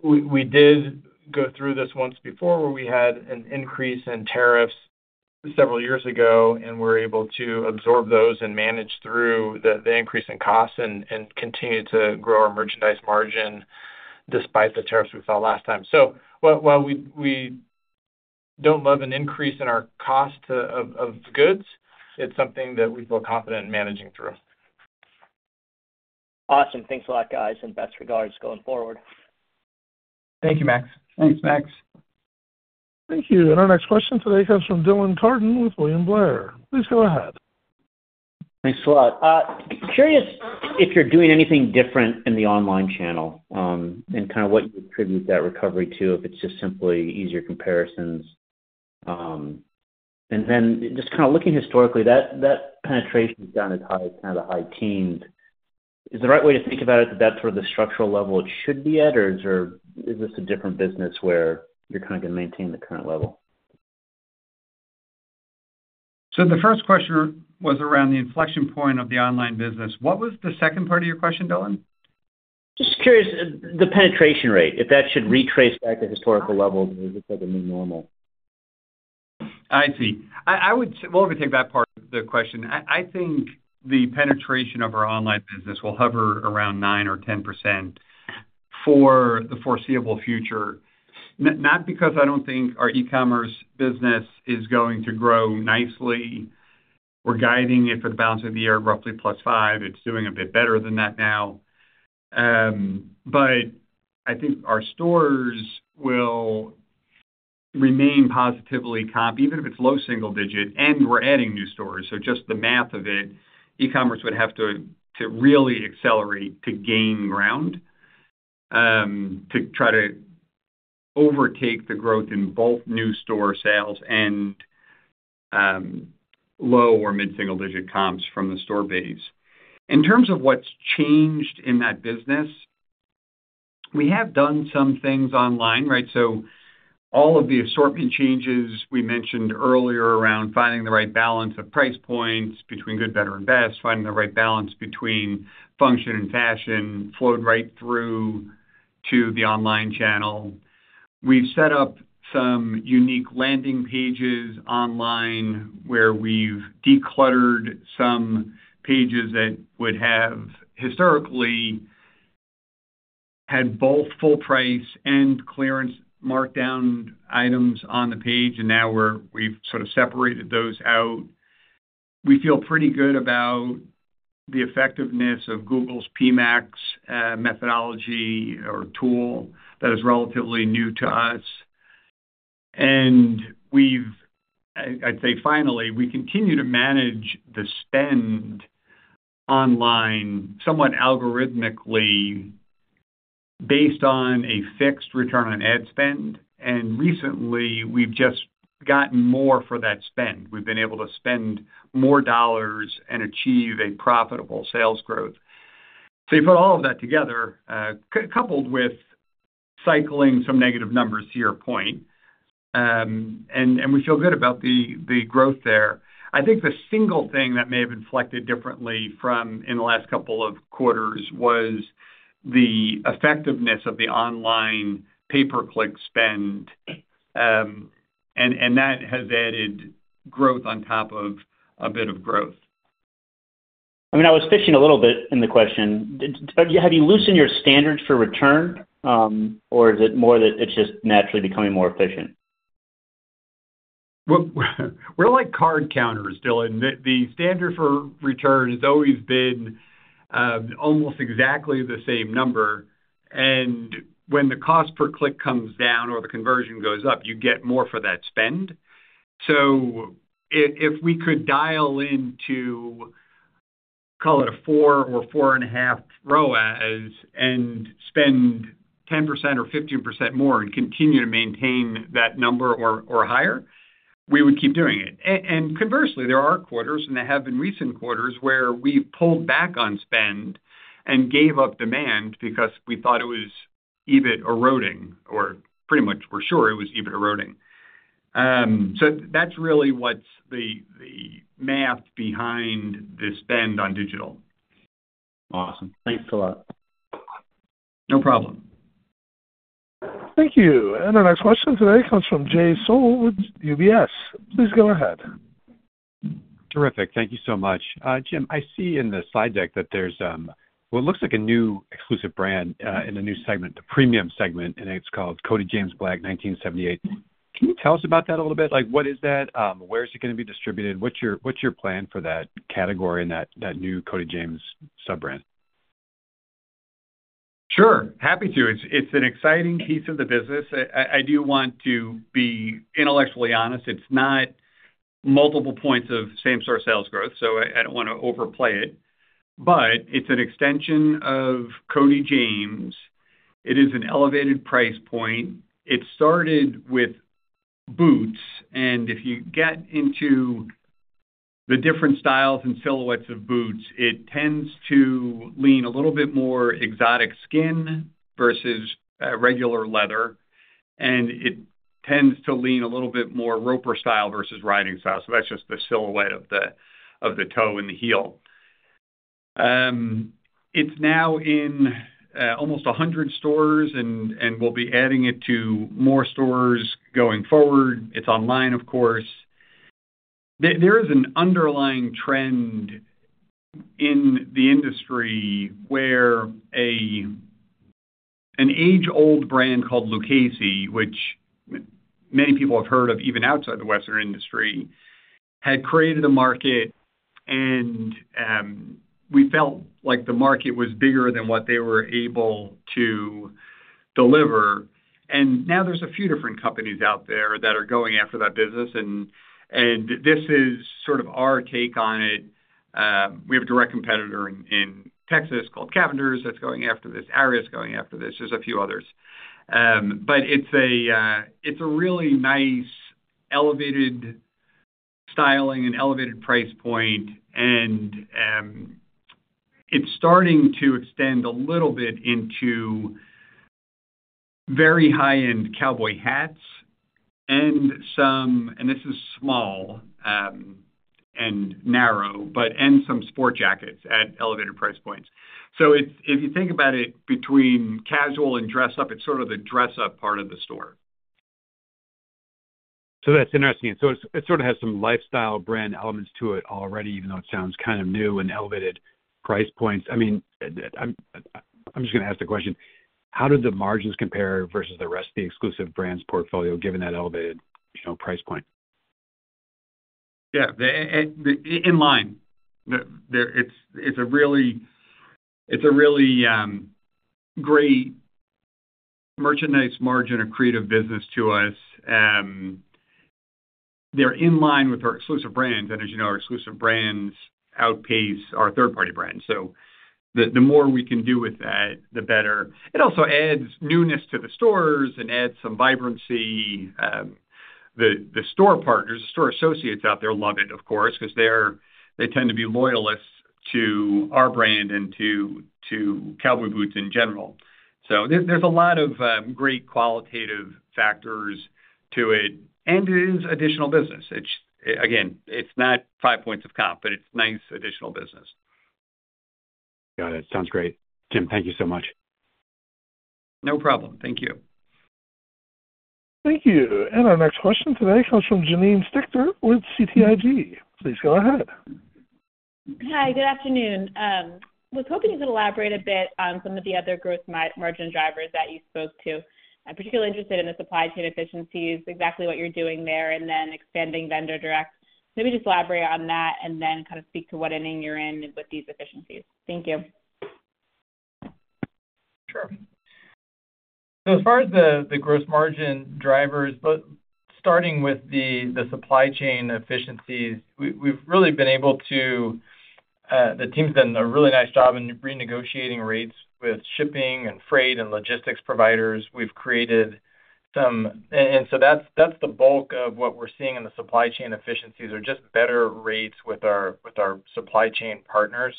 We did go through this once before, where we had an increase in tariffs several years ago and were able to absorb those and manage through the increase in costs and continue to grow our merchandise margin despite the tariffs we saw last time. So while we don't love an increase in our cost of goods, it's something that we feel confident in managing through. Awesome. Thanks a lot, guys, and best regards going forward. Thank you, Max. Thanks, Max. Thank you. Our next question today comes from Dylan Carden with William Blair. Please go ahead. Thanks a lot. Curious if you're doing anything different in the online channel, and kind of what you attribute that recovery to, if it's just simply easier comparisons. And then just kind of looking historically, that penetration's down to kind of the high teens. Is the right way to think about it, that that's where the structural level it should be at, or is this a different business where you're kind of going to maintain the current level? The first question was around the inflection point of the online business. What was the second part of your question, Dylan? Just curious, the penetration rate, if that should retrace back to historical levels, or is this like a new normal? I see. Well, let me take that part of the question. I think the penetration of our online business will hover around nine or 10% for the foreseeable future. Not because I don't think our e-commerce business is going to grow nicely. We're guiding it for the balance of the year, roughly +5. It's doing a bit better than that now. But I think our stores will remain positively comp, even if it's low single-digit, and we're adding new stores. So just the math of it, e-commerce would have to really accelerate to gain ground to try to overtake the growth in both new store sales and low- or mid-single-digit comps from the store base. In terms of what's changed in that business, we have done some things online, right? So all of the assortment changes we mentioned earlier around finding the right balance of price points between good, better, and best, finding the right balance between function and fashion, flowed right through to the online channel. We've set up some unique landing pages online, where we've decluttered some pages that would have historically had both full price and clearance markdown items on the page, and now we've sort of separated those out. We feel pretty good about the effectiveness of Google's PMax methodology or tool that is relatively new to us. And we've, I'd say finally, we continue to manage the spend online, somewhat algorithmically, based on a fixed return on ad spend. And recently, we've just gotten more for that spend. We've been able to spend more dollars and achieve a profitable sales growth. So you put all of that together, coupled with cycling some negative numbers to your point, and we feel good about the growth there. I think the single thing that may have inflected differently from in the last couple of quarters was the effectiveness of the online pay-per-click spend, and that has added growth on top of a bit of growth. I mean, I was fishing a little bit in the question. Have you loosened your standards for return, or is it more that it's just naturally becoming more efficient? Well, we're like card counters, Dylan. The standard for return has always been almost exactly the same number. And when the cost per click comes down or the conversion goes up, you get more for that spend. So if we could dial into, call it a 4 or 4.5 ROAS, and spend 10% or 15% more and continue to maintain that number or higher, we would keep doing it. And conversely, there are quarters, and there have been recent quarters, where we've pulled back on spend and gave up demand because we thought it was EBIT eroding, or pretty much for sure, it was EBIT eroding. So that's really what's the math behind the spend on digital. Awesome. Thanks a lot. No problem. Thank you. Our next question today comes from Jay Sole with UBS. Please go ahead. Terrific. Thank you so much. Jim, I see in the slide deck that there's what looks like a new exclusive brand in a new segment, the premium segment, and it's called Cody James Black 1978. Can you tell us about that a little bit? Like, what is that? Where is it going to be distributed? What's your, what's your plan for that category and that, that new Cody James sub-brand? Sure, happy to. It's an exciting piece of the business. I do want to be intellectually honest. It's not multiple points of same-store sales growth, so I don't want to overplay it. But it's an extension of Cody James. It is an elevated price point. It started with boots, and if you get into the different styles and silhouettes of boots, it tends to lean a little bit more exotic skin versus regular leather, and it tends to lean a little bit more Roper style versus riding style. So that's just the silhouette of the toe and the heel. It's now in almost 100 stores, and we'll be adding it to more stores going forward. It's online, of course. There is an underlying trend in the industry where an age-old brand called Lucchese, which many people have heard of, even outside the Western industry, had created a market, and we felt like the market was bigger than what they were able to deliver. And now there's a few different companies out there that are going after that business, and this is sort of our take on it. We have a direct competitor in Texas called Cavender's, that's going after this. Ariat's going after this. There's a few others. But it's a really nice, elevated styling and elevated price point, and it's starting to extend a little bit into very high-end cowboy hats and some... This is small and narrow, but and some sport jackets at elevated price points. So if you think about it, between casual and dress up, it's sort of the dress up part of the store. So that's interesting. So it sort of has some lifestyle brand elements to it already, even though it sounds kind of new and elevated price points. I mean, I'm just going to ask the question: How do the margins compare versus the rest of the exclusive brands portfolio, given that elevated, you know, price point? Yeah, they're in line. It's a really great merchandise margin accretive business to us. They're in line with our exclusive brands, and as you know, our exclusive brands outpace our third-party brands. So- ... the more we can do with that, the better. It also adds newness to the stores and adds some vibrancy. The store partners, the store associates out there love it, of course, 'cause they're they tend to be loyalists to our brand and to cowboy boots in general. So there's a lot of great qualitative factors to it, and it is additional business. It's again, it's not five points of comp, but it's nice additional business. Got it. Sounds great. Jim, thank you so much. No problem. Thank you. Thank you. Our next question today comes from Janine Stichter with BTIG. Please go ahead. Hi, good afternoon. Was hoping you could elaborate a bit on some of the other growth margin drivers that you spoke to. I'm particularly interested in the supply chain efficiencies, exactly what you're doing there, and then expanding vendor direct. Maybe just elaborate on that, and then kind of speak to what inning you're in with these efficiencies. Thank you. Sure. So as far as the gross margin drivers, but starting with the supply chain efficiencies, we've really been able to. The team's done a really nice job in renegotiating rates with shipping and freight and logistics providers. We've created some. And so that's the bulk of what we're seeing in the supply chain efficiencies, just better rates with our supply chain partners.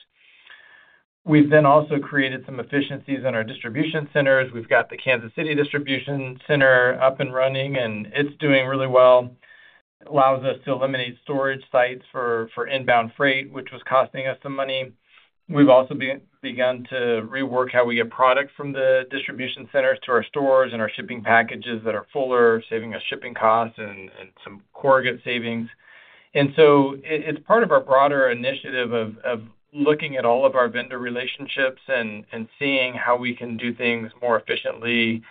We've then also created some efficiencies in our distribution centers. We've got the Kansas City distribution center up and running, and it's doing really well. It allows us to eliminate storage sites for inbound freight, which was costing us some money. We've also begun to rework how we get product from the distribution centers to our stores and our shipping packages that are fuller, saving us shipping costs and some corrugated savings. So it's part of our broader initiative of looking at all of our vendor relationships and seeing how we can do things more efficiently,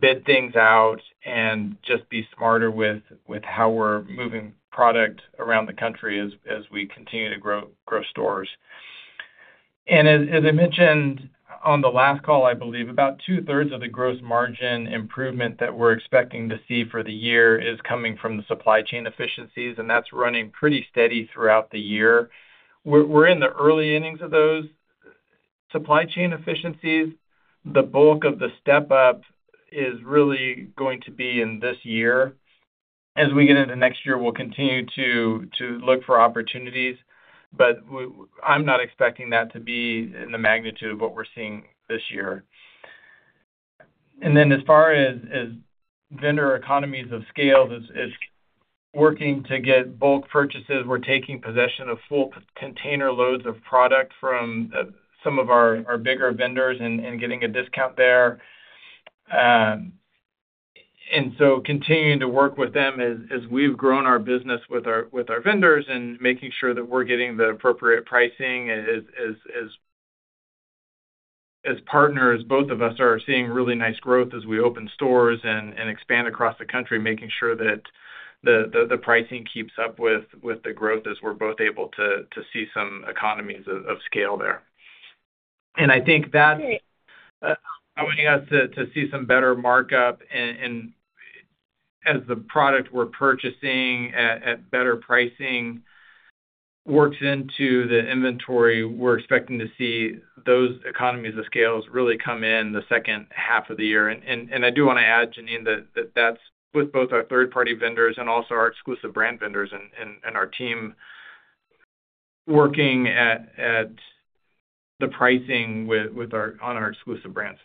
bid things out, and just be smarter with how we're moving product around the country as we continue to grow stores. As I mentioned on the last call, I believe, about two-thirds of the gross margin improvement that we're expecting to see for the year is coming from the supply chain efficiencies, and that's running pretty steady throughout the year. We're in the early innings of those supply chain efficiencies. The bulk of the step up is really going to be in this year. As we get into next year, we'll continue to look for opportunities, but I'm not expecting that to be in the magnitude of what we're seeing this year. And then as far as vendor economies of scale, it's working to get bulk purchases. We're taking possession of full container loads of product from some of our bigger vendors and getting a discount there. And so continuing to work with them as we've grown our business with our vendors, and making sure that we're getting the appropriate pricing as partners, both of us are seeing really nice growth as we open stores and expand across the country, making sure that the pricing keeps up with the growth as we're both able to see some economies of scale there. I think that allowing us to see some better markup and as the product we're purchasing at better pricing works into the inventory, we're expecting to see those economies of scale really come in the second half of the year. And I do wanna add, Janine, that that's with both our third-party vendors and also our exclusive brand vendors and our team working at the pricing with our on our exclusive brands.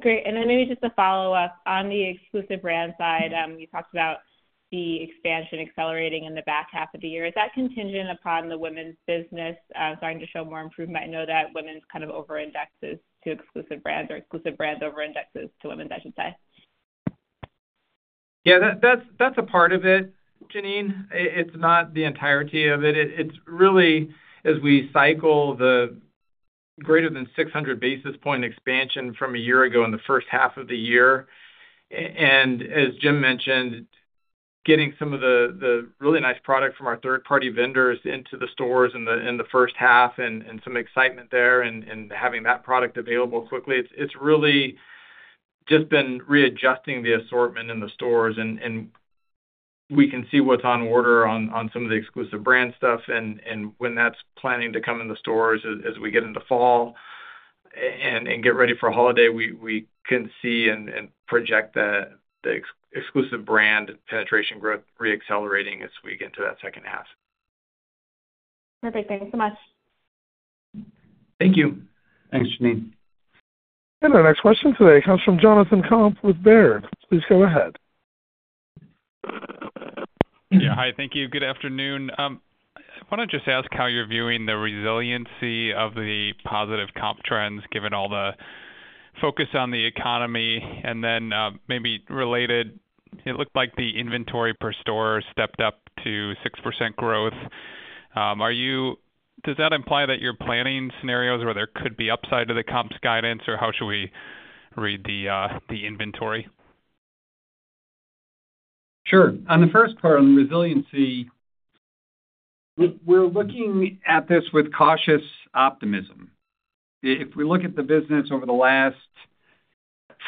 Great. Then maybe just to follow up, on the exclusive brand side, you talked about the expansion accelerating in the back half of the year. Is that contingent upon the women's business starting to show more improvement? I know that women's kind of over-indexes to exclusive brands, or exclusive brands over-indexes to women's, I should say. Yeah, that's a part of it, Janine. It's not the entirety of it. It's really as we cycle the greater than 600 basis point expansion from a year ago in the first half of the year. And as Jim mentioned, getting some of the really nice product from our third-party vendors into the stores in the first half and some excitement there and having that product available quickly. It's really just been readjusting the assortment in the stores, and we can see what's on order on some of the exclusive brand stuff, and when that's planning to come in the stores as we get into fall and get ready for holiday, we can see and project the exclusive brand penetration growth reaccelerating as we get to that second half. Perfect. Thanks so much. Thank you. Thanks, Janine. Our next question today comes from Jonathan Komp with Baird. Please go ahead. Yeah. Hi, thank you. Good afternoon. I wanna just ask how you're viewing the resiliency of the positive comp trends, given all the focus on the economy, and then, maybe related, it looked like the inventory per store stepped up to 6% growth. Does that imply that you're planning scenarios where there could be upside to the comps guidance, or how should we read the inventory? Sure. On the first part, on resiliency, we're looking at this with cautious optimism. If we look at the business over the last......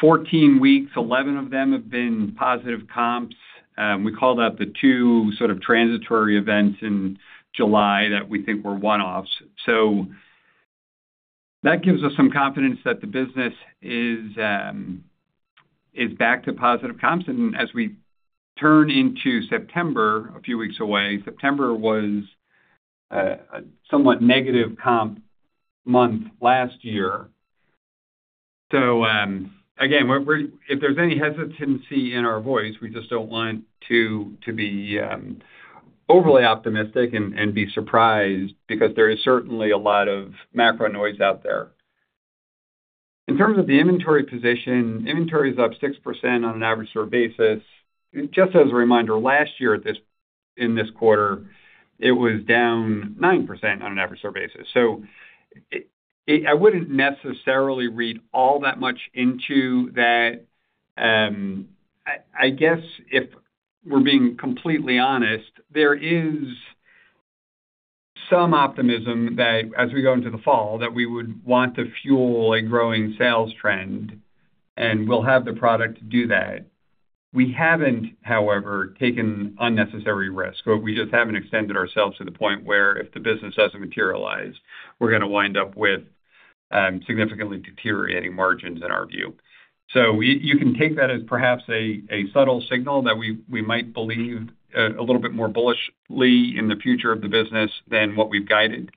14 weeks, 11 of them have been positive comps. We called out the two sort of transitory events in July that we think were one-offs. So that gives us some confidence that the business is back to positive comps. And as we turn into September, a few weeks away, September was a somewhat negative comp month last year. So, again, we're -- if there's any hesitancy in our voice, we just don't want to be overly optimistic and be surprised because there is certainly a lot of macro noise out there. In terms of the inventory position, inventory is up 6% on an average store basis. Just as a reminder, last year at this -- in this quarter, it was down 9% on an average store basis. So I wouldn't necessarily read all that much into that. I guess if we're being completely honest, there is some optimism that as we go into the fall, that we would want to fuel a growing sales trend, and we'll have the product to do that. We haven't, however, taken unnecessary risk, or we just haven't extended ourselves to the point where if the business doesn't materialize, we're gonna wind up with significantly deteriorating margins in our view. So you can take that as perhaps a subtle signal that we might believe a little bit more bullishly in the future of the business than what we've guided.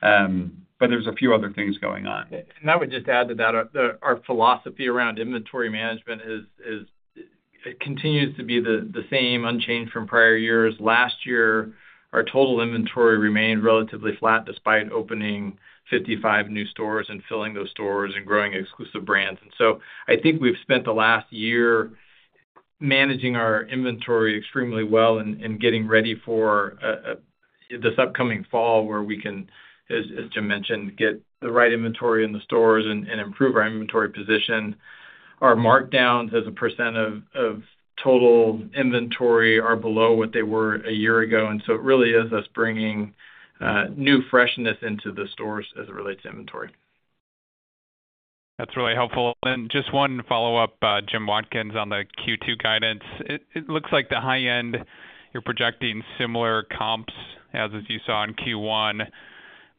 But there's a few other things going on. And I would just add to that, our philosophy around inventory management is—it continues to be the same, unchanged from prior years. Last year, our total inventory remained relatively flat, despite opening 55 new stores and filling those stores and growing exclusive brands. And so I think we've spent the last year managing our inventory extremely well and getting ready for this upcoming fall, where we can, as Jim mentioned, get the right inventory in the stores and improve our inventory position. Our markdowns as a % of total inventory are below what they were a year ago, and so it really is us bringing new freshness into the stores as it relates to inventory. That's really helpful. And just one follow-up, Jim Watkins, on the Q2 guidance. It, it looks like the high end, you're projecting similar comps as you saw in Q1,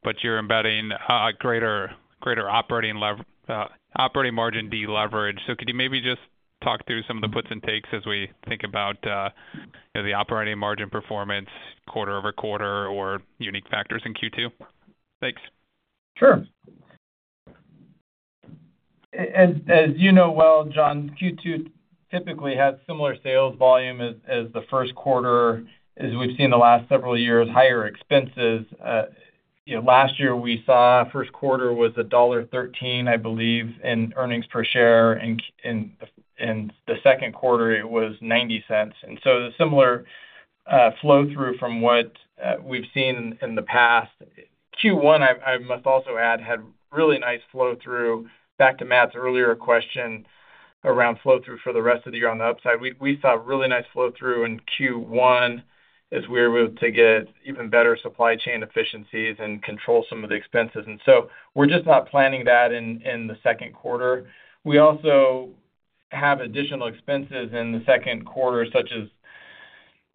but you're embedding a, a greater, greater operating lever-- operating margin deleverage. So could you maybe just talk through some of the puts and takes as we think about, you know, the operating margin performance quarter over quarter or unique factors in Q2? Thanks. Sure. As you know well, John, Q2 typically has similar sales volume as the first quarter, as we've seen the last several years, higher expenses. You know, last year we saw first quarter was $1.13, I believe, in earnings per share, in the second quarter, it was $0.90. And so the similar flow-through from what we've seen in the past. Q1, I must also add, had really nice flow-through, back to Matt's earlier question around flow-through for the rest of the year on the upside. We saw really nice flow-through in Q1 as we were able to get even better supply chain efficiencies and control some of the expenses. And so we're just not planning that in the second quarter. We also have additional expenses in the second quarter, such as,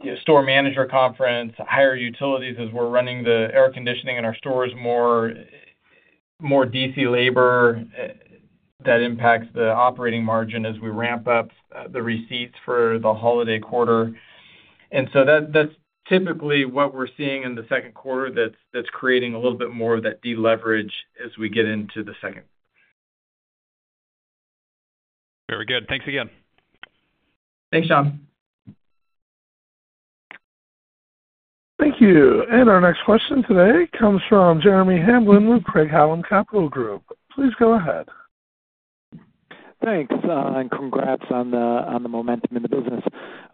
you know, store manager conference, higher utilities as we're running the air conditioning in our stores more, more DC labor, that impacts the operating margin as we ramp up the receipts for the holiday quarter. And so that's typically what we're seeing in the second quarter that's creating a little bit more of that deleverage as we get into the second. Very good. Thanks again. Thanks, John. Thank you. And our next question today comes from Jeremy Hamblin with Craig-Hallum Capital Group. Please go ahead. Thanks, and congrats on the momentum in the business.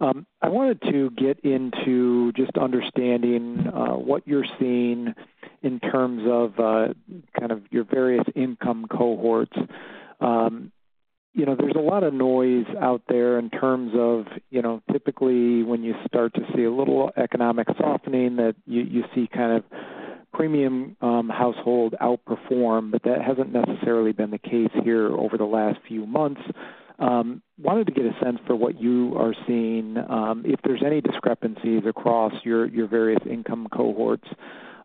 I wanted to get into just understanding what you're seeing in terms of kind of your various income cohorts. You know, there's a lot of noise out there in terms of, you know, typically, when you start to see a little economic softening, that you see kind of premium household outperform, but that hasn't necessarily been the case here over the last few months. Wanted to get a sense for what you are seeing if there's any discrepancies across your various income cohorts.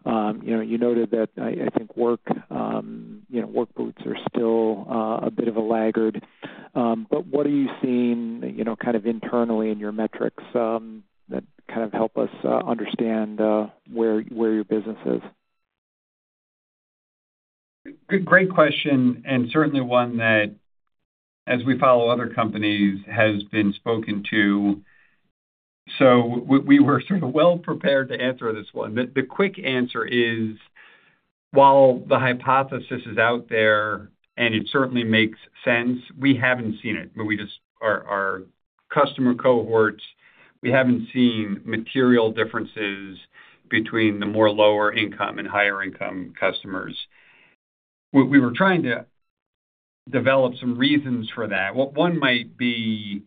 You know, you noted that I think work, you know, work boots are still a bit of a laggard. But what are you seeing, you know, kind of internally in your metrics, that kind of help us understand, where, where your business is? Good, great question, and certainly one that, as we follow other companies, has been spoken to. So we were sort of well prepared to answer this one. The quick answer is, while the hypothesis is out there, and it certainly makes sense, we haven't seen it. But we just, our customer cohorts, we haven't seen material differences between the more lower income and higher income customers. We were trying to develop some reasons for that. One might be,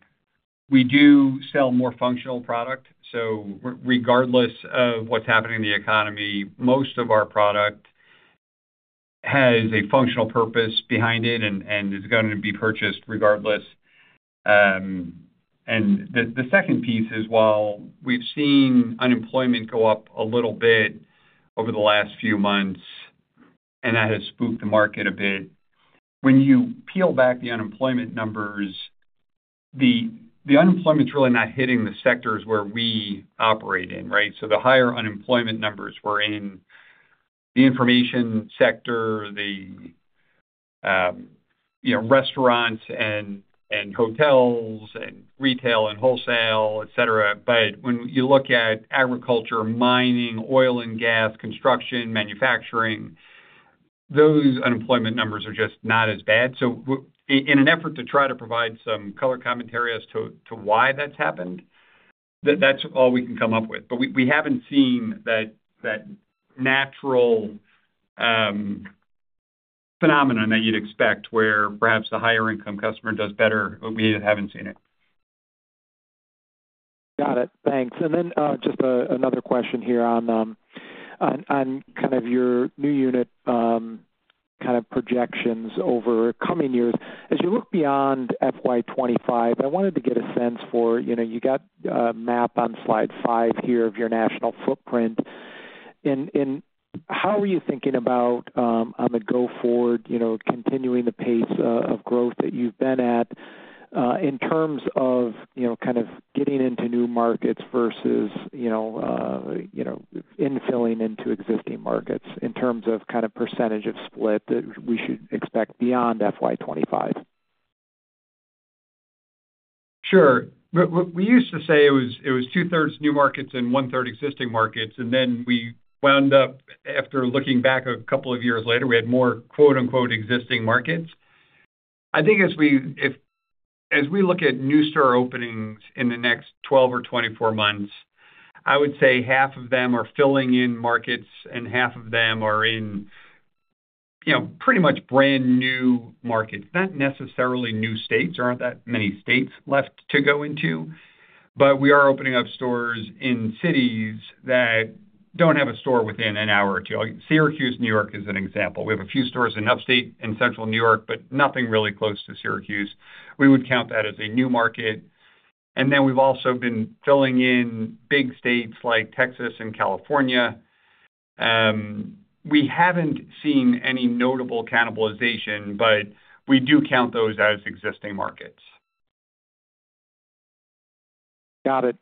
we do sell more functional product, so regardless of what's happening in the economy, most of our product has a functional purpose behind it and is gonna be purchased regardless. And the second piece is, while we've seen unemployment go up a little bit over the last few months, and that has spooked the market a bit, when you peel back the unemployment numbers, the unemployment's really not hitting the sectors where we operate in, right? So the higher unemployment numbers were in the information sector, you know, restaurants and hotels, and retail and wholesale, et cetera. But when you look at agriculture, mining, oil and gas, construction, manufacturing, those unemployment numbers are just not as bad. In an effort to try to provide some color commentary as to why that's happened, that's all we can come up with. But we haven't seen that natural phenomenon that you'd expect, where perhaps the higher income customer does better. We haven't seen it. Got it. Thanks. And then just another question here on on kind of your new unit kind of projections over coming years. As you look beyond FY 25, I wanted to get a sense for, you know, you got a map on slide five here of your national footprint. And how are you thinking about on the go forward, you know, continuing the pace of growth that you've been at in terms of, you know, kind of getting into new markets versus, you know, you know infilling into existing markets, in terms of kind of percentage of split that we should expect beyond FY 25? Sure. We used to say it was, it was 2/3 new markets and 1/3 existing markets. And then we wound up, after looking back a couple of years later, we had more, quote-unquote, "existing markets." I think as we look at new store openings in the next 12 or 24 months, I would say half of them are filling in markets and half of them are in, you know, pretty much brand-new markets. Not necessarily new states. There aren't that many states left to go into, but we are opening up stores in cities that don't have a store within an hour or two. Syracuse, New York, is an example. We have a few stores in upstate and central New York, but nothing really close to Syracuse. We would count that as a new market. And then we've also been filling in big states like Texas and California. We haven't seen any notable cannibalization, but we do count those as existing markets. Got it.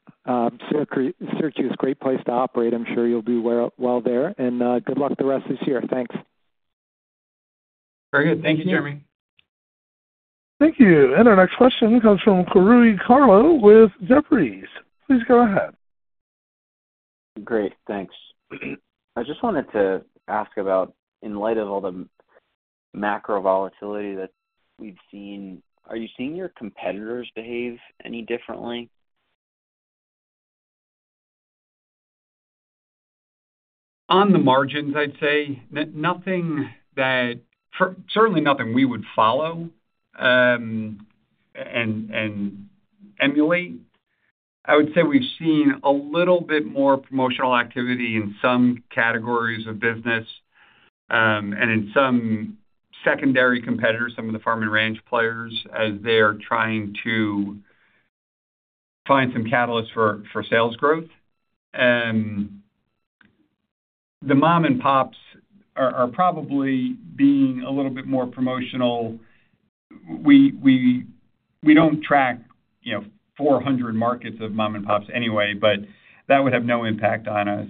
Syracuse, great place to operate. I'm sure you'll do well there. Good luck the rest of this year. Thanks. Very good. Thank you, Jeremy. Thank you. And our next question comes from Corey Tarlowe with Jefferies. Please go ahead. Great, thanks. I just wanted to ask about, in light of all the macro volatility that we've seen, are you seeing your competitors behave any differently? On the margins, I'd say nothing. Certainly nothing we would follow, and emulate. I would say we've seen a little bit more promotional activity in some categories of business, and in some secondary competitors, some of the farm and ranch players, as they are trying to find some catalysts for sales growth. The mom-and-pops are probably being a little bit more promotional. We don't track, you know, 400 markets of mom-and-pops anyway, but that would have no impact on us.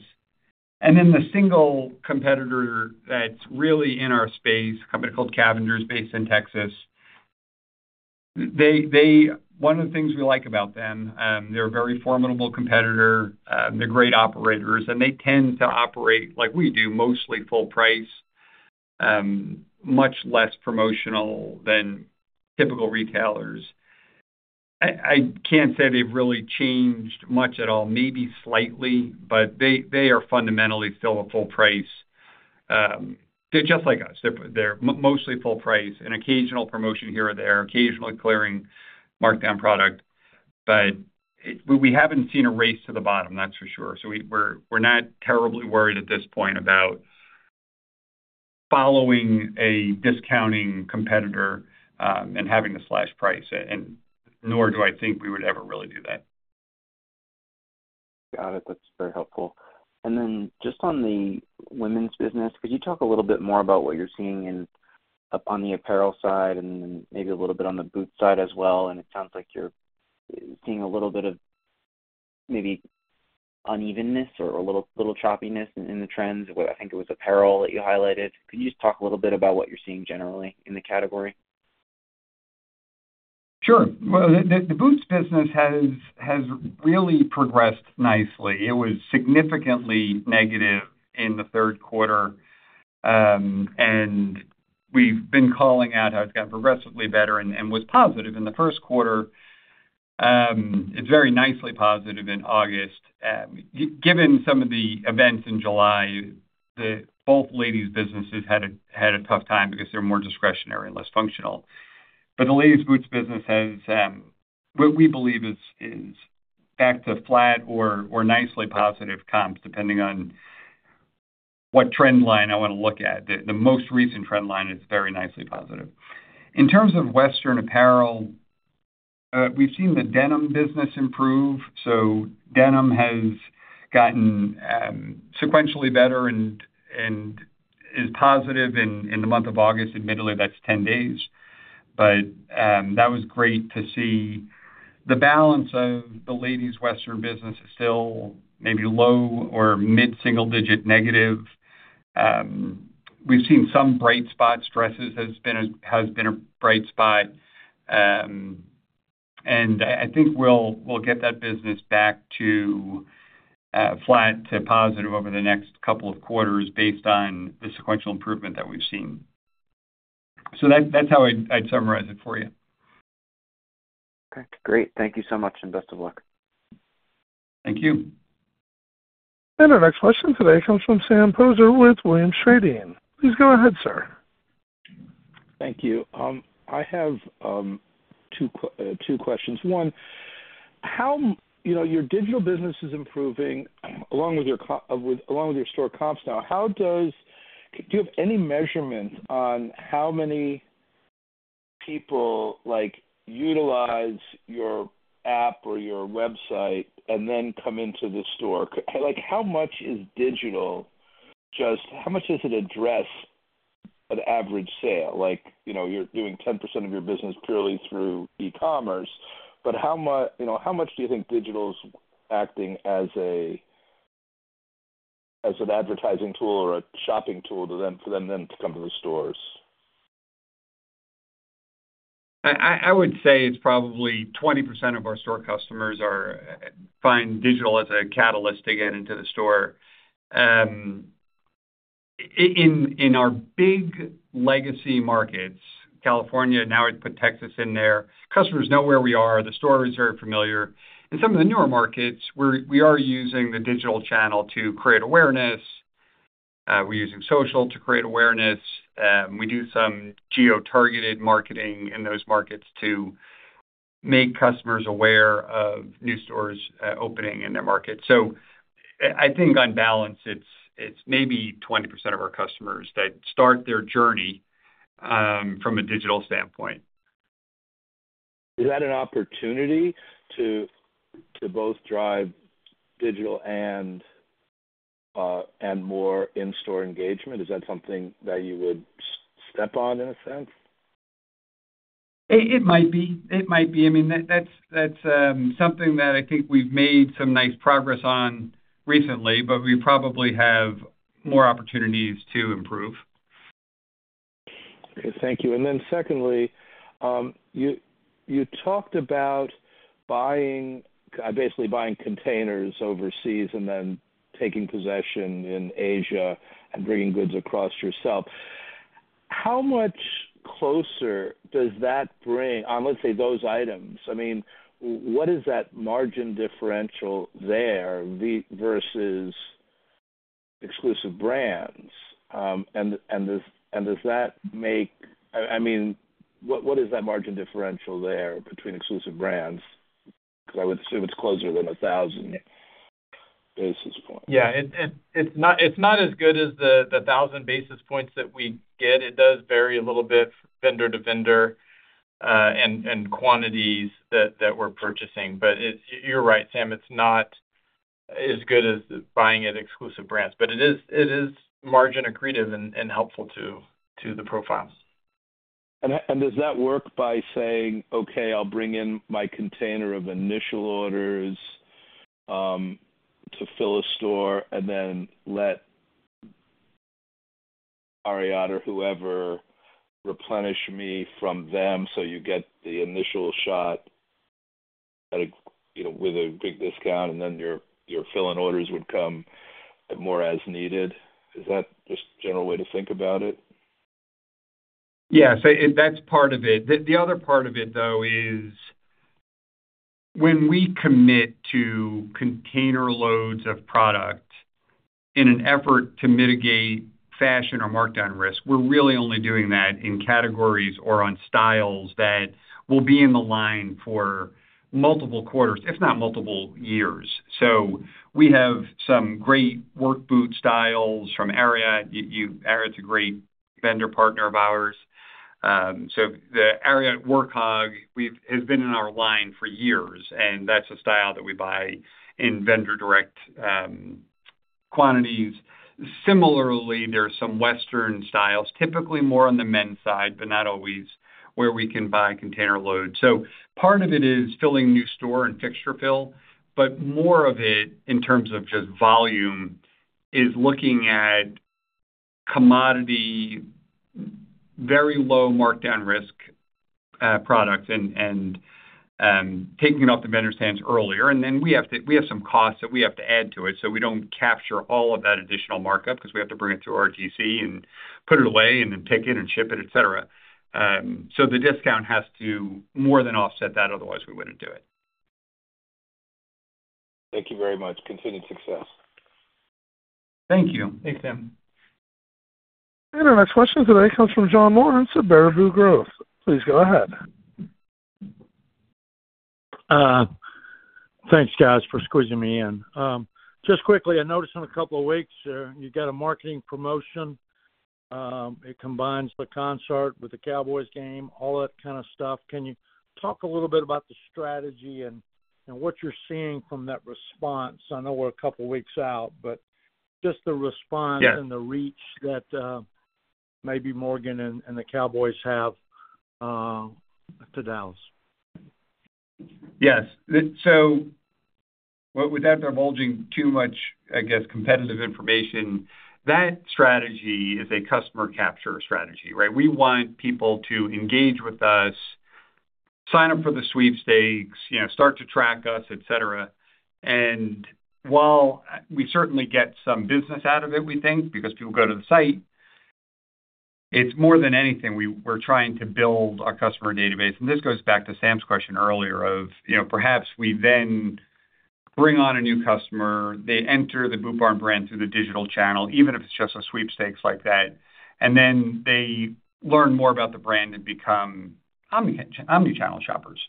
And then the single competitor that's really in our space, a company called Cavender's, based in Texas, they, one of the things we like about them, they're a very formidable competitor. They're great operators, and they tend to operate like we do, mostly full price, much less promotional than typical retailers. I can't say they've really changed much at all, maybe slightly, but they are fundamentally still a full price. They're just like us. They're mostly full price and occasional promotion here or there, occasionally clearing markdown product. But we haven't seen a race to the bottom, that's for sure. So we're not terribly worried at this point about following a discounting competitor, and having to slash price, and nor do I think we would ever really do that. Got it. That's very helpful. And then just on the women's business, could you talk a little bit more about what you're seeing in, up on the apparel side and maybe a little bit on the boot side as well? And it sounds like you're seeing a little bit of maybe unevenness or a little, little choppiness in, in the trends. I think it was apparel that you highlighted. Could you just talk a little bit about what you're seeing generally in the category? Sure. Well, the boots business has really progressed nicely. It was significantly negative in the third quarter, and we've been calling out how it's gotten progressively better and was positive in the first quarter. It's very nicely positive in August. Given some of the events in July, both ladies businesses had a tough time because they're more discretionary and less functional. But the ladies' boots business has what we believe is back to flat or nicely positive comps, depending on what trend line I want to look at. The most recent trend line is very nicely positive. In terms of western apparel, we've seen the denim business improve. So denim has gotten sequentially better and is positive in the month of August. Admittedly, that's 10 days, but that was great to see. The balance of the ladies' western business is still maybe low or mid-single-digit negative. We've seen some bright spots. Dresses has been a bright spot. And I think we'll get that business back to flat to positive over the next couple of quarters based on the sequential improvement that we've seen. So that's how I'd summarize it for you. Okay, great. Thank you so much, and best of luck. Thank you. Our next question today comes from Sam Poser with Williams Trading. Please go ahead, sir. Thank you. I have two questions. One, how... You know, your digital business is improving along with your store comps now. How do you have any measurement on how many people, like, utilize your app or your website and then come into the store? Like, how much is digital just how much does it address an average sale? Like, you know, you're doing 10% of your business purely through e-commerce, but how, you know, how much do you think digital's acting as a, as an advertising tool or a shopping tool to them, for them then to come to the stores? I would say it's probably 20% of our store customers find digital as a catalyst to get into the store. In our big legacy markets, California, now we've put Texas in there, customers know where we are. The stores are familiar. In some of the newer markets, we are using the digital channel to create awareness. We're using social to create awareness. We do some geo-targeted marketing in those markets to make customers aware of new stores opening in their market. So I think on balance, it's maybe 20% of our customers that start their journey from a digital standpoint. Is that an opportunity to both drive digital and more in-store engagement? Is that something that you would step on, in a sense? It, it might be. It might be. I mean, that's something that I think we've made some nice progress on recently, but we probably have more opportunities to improve. Okay. Thank you. And then secondly, you talked about buying, basically buying containers overseas and then taking possession in Asia and bringing goods across yourself. How much closer does that bring, let's say, those items? I mean, what is that margin differential there versus exclusive brands? And does that make... I mean, what is that margin differential there between exclusive brands? Because I would assume it's closer than 1,000 basis points. Yeah. It's not as good as the 1,000 basis points that we get. It does vary a little bit vendor to vendor, and quantities that we're purchasing. But it's. You're right, Sam. It's not as good as buying it exclusive brands, but it is margin accretive and helpful to the profiles. does that work by saying, "Okay, I'll bring in my container of initial orders, to fill a store and then let Ariat or whoever replenish me from them," so you get the initial shot at a, you know, with a big discount, and then your fill-in orders would come more as needed? Is that just a general way to think about it? Yes, and that's part of it. The other part of it, though, is when we commit to container loads of product in an effort to mitigate fashion or markdown risk, we're really only doing that in categories or on styles that will be in the line for multiple quarters, if not multiple years. So we have some great work boot styles from Ariat. Ariat's a great vendor partner of ours. So the Ariat WorkHog has been in our line for years, and that's a style that we buy in vendor direct quantities. Similarly, there are some Western styles, typically more on the men's side, but not always, where we can buy container loads. So part of it is filling new store and fixture fill, but more of it, in terms of just volume, is looking at commodity, very low markdown risk, products and taking it off the vendor's hands earlier. And then we have to, we have some costs that we have to add to it, so we don't capture all of that additional markup because we have to bring it through our DC and put it away and then pick it and ship it, et cetera. So the discount has to more than offset that, otherwise we wouldn't do it.... Thank you very much. Continued success. Thank you. Thanks, Sam. Our next question today comes from John Lawrence at The Benchmark Company. Please go ahead. Thanks, guys, for squeezing me in. Just quickly, I noticed in a couple of weeks, you got a marketing promotion. It combines the concert with the Cowboys game, all that kind of stuff. Can you talk a little bit about the strategy and, and what you're seeing from that response? I know we're a couple of weeks out, but just the response- Yeah. and the reach that, maybe Morgan and, and the Cowboys have, to Dallas. Yes. So without divulging too much, I guess, competitive information, that strategy is a customer capture strategy, right? We want people to engage with us, sign up for the sweepstakes, you know, start to track us, et cetera. And while we certainly get some business out of it, we think, because people go to the site, it's more than anything, we're trying to build our customer database. And this goes back to Sam's question earlier of, you know, perhaps we then bring on a new customer, they enter the Boot Barn brand through the digital channel, even if it's just a sweepstakes like that, and then they learn more about the brand and become omnichannel shoppers.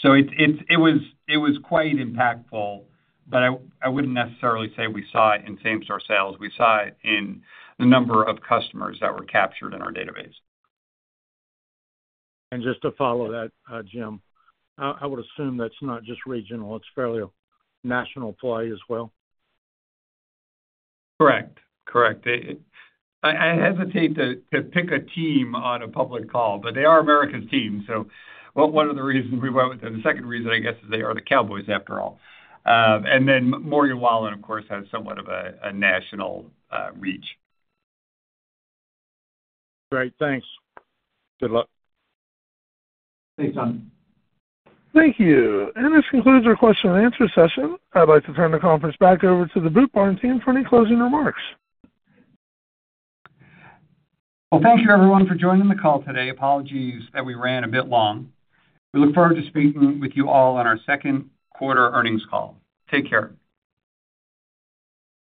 So it was quite impactful, but I wouldn't necessarily say we saw it in same-store sales. We saw it in the number of customers that were captured in our database. Just to follow that, Jim, I would assume that's not just regional, it's fairly national play as well? Correct. Correct. I hesitate to pick a team on a public call, but they are America's team, so one of the reasons we went with them. The second reason, I guess, is they are the Cowboys after all. And then Morgan Wallen, of course, has somewhat of a national reach. Great. Thanks. Good luck. Thanks, John. Thank you. This concludes our question and answer session. I'd like to turn the conference back over to the Boot Barn team for any closing remarks. Well, thank you everyone for joining the call today. Apologies that we ran a bit long. We look forward to speaking with you all on our second quarter earnings call. Take care.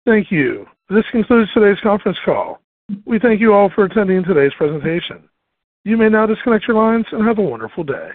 Thank you. This concludes today's conference call. We thank you all for attending today's presentation. You may now disconnect your lines and have a wonderful day.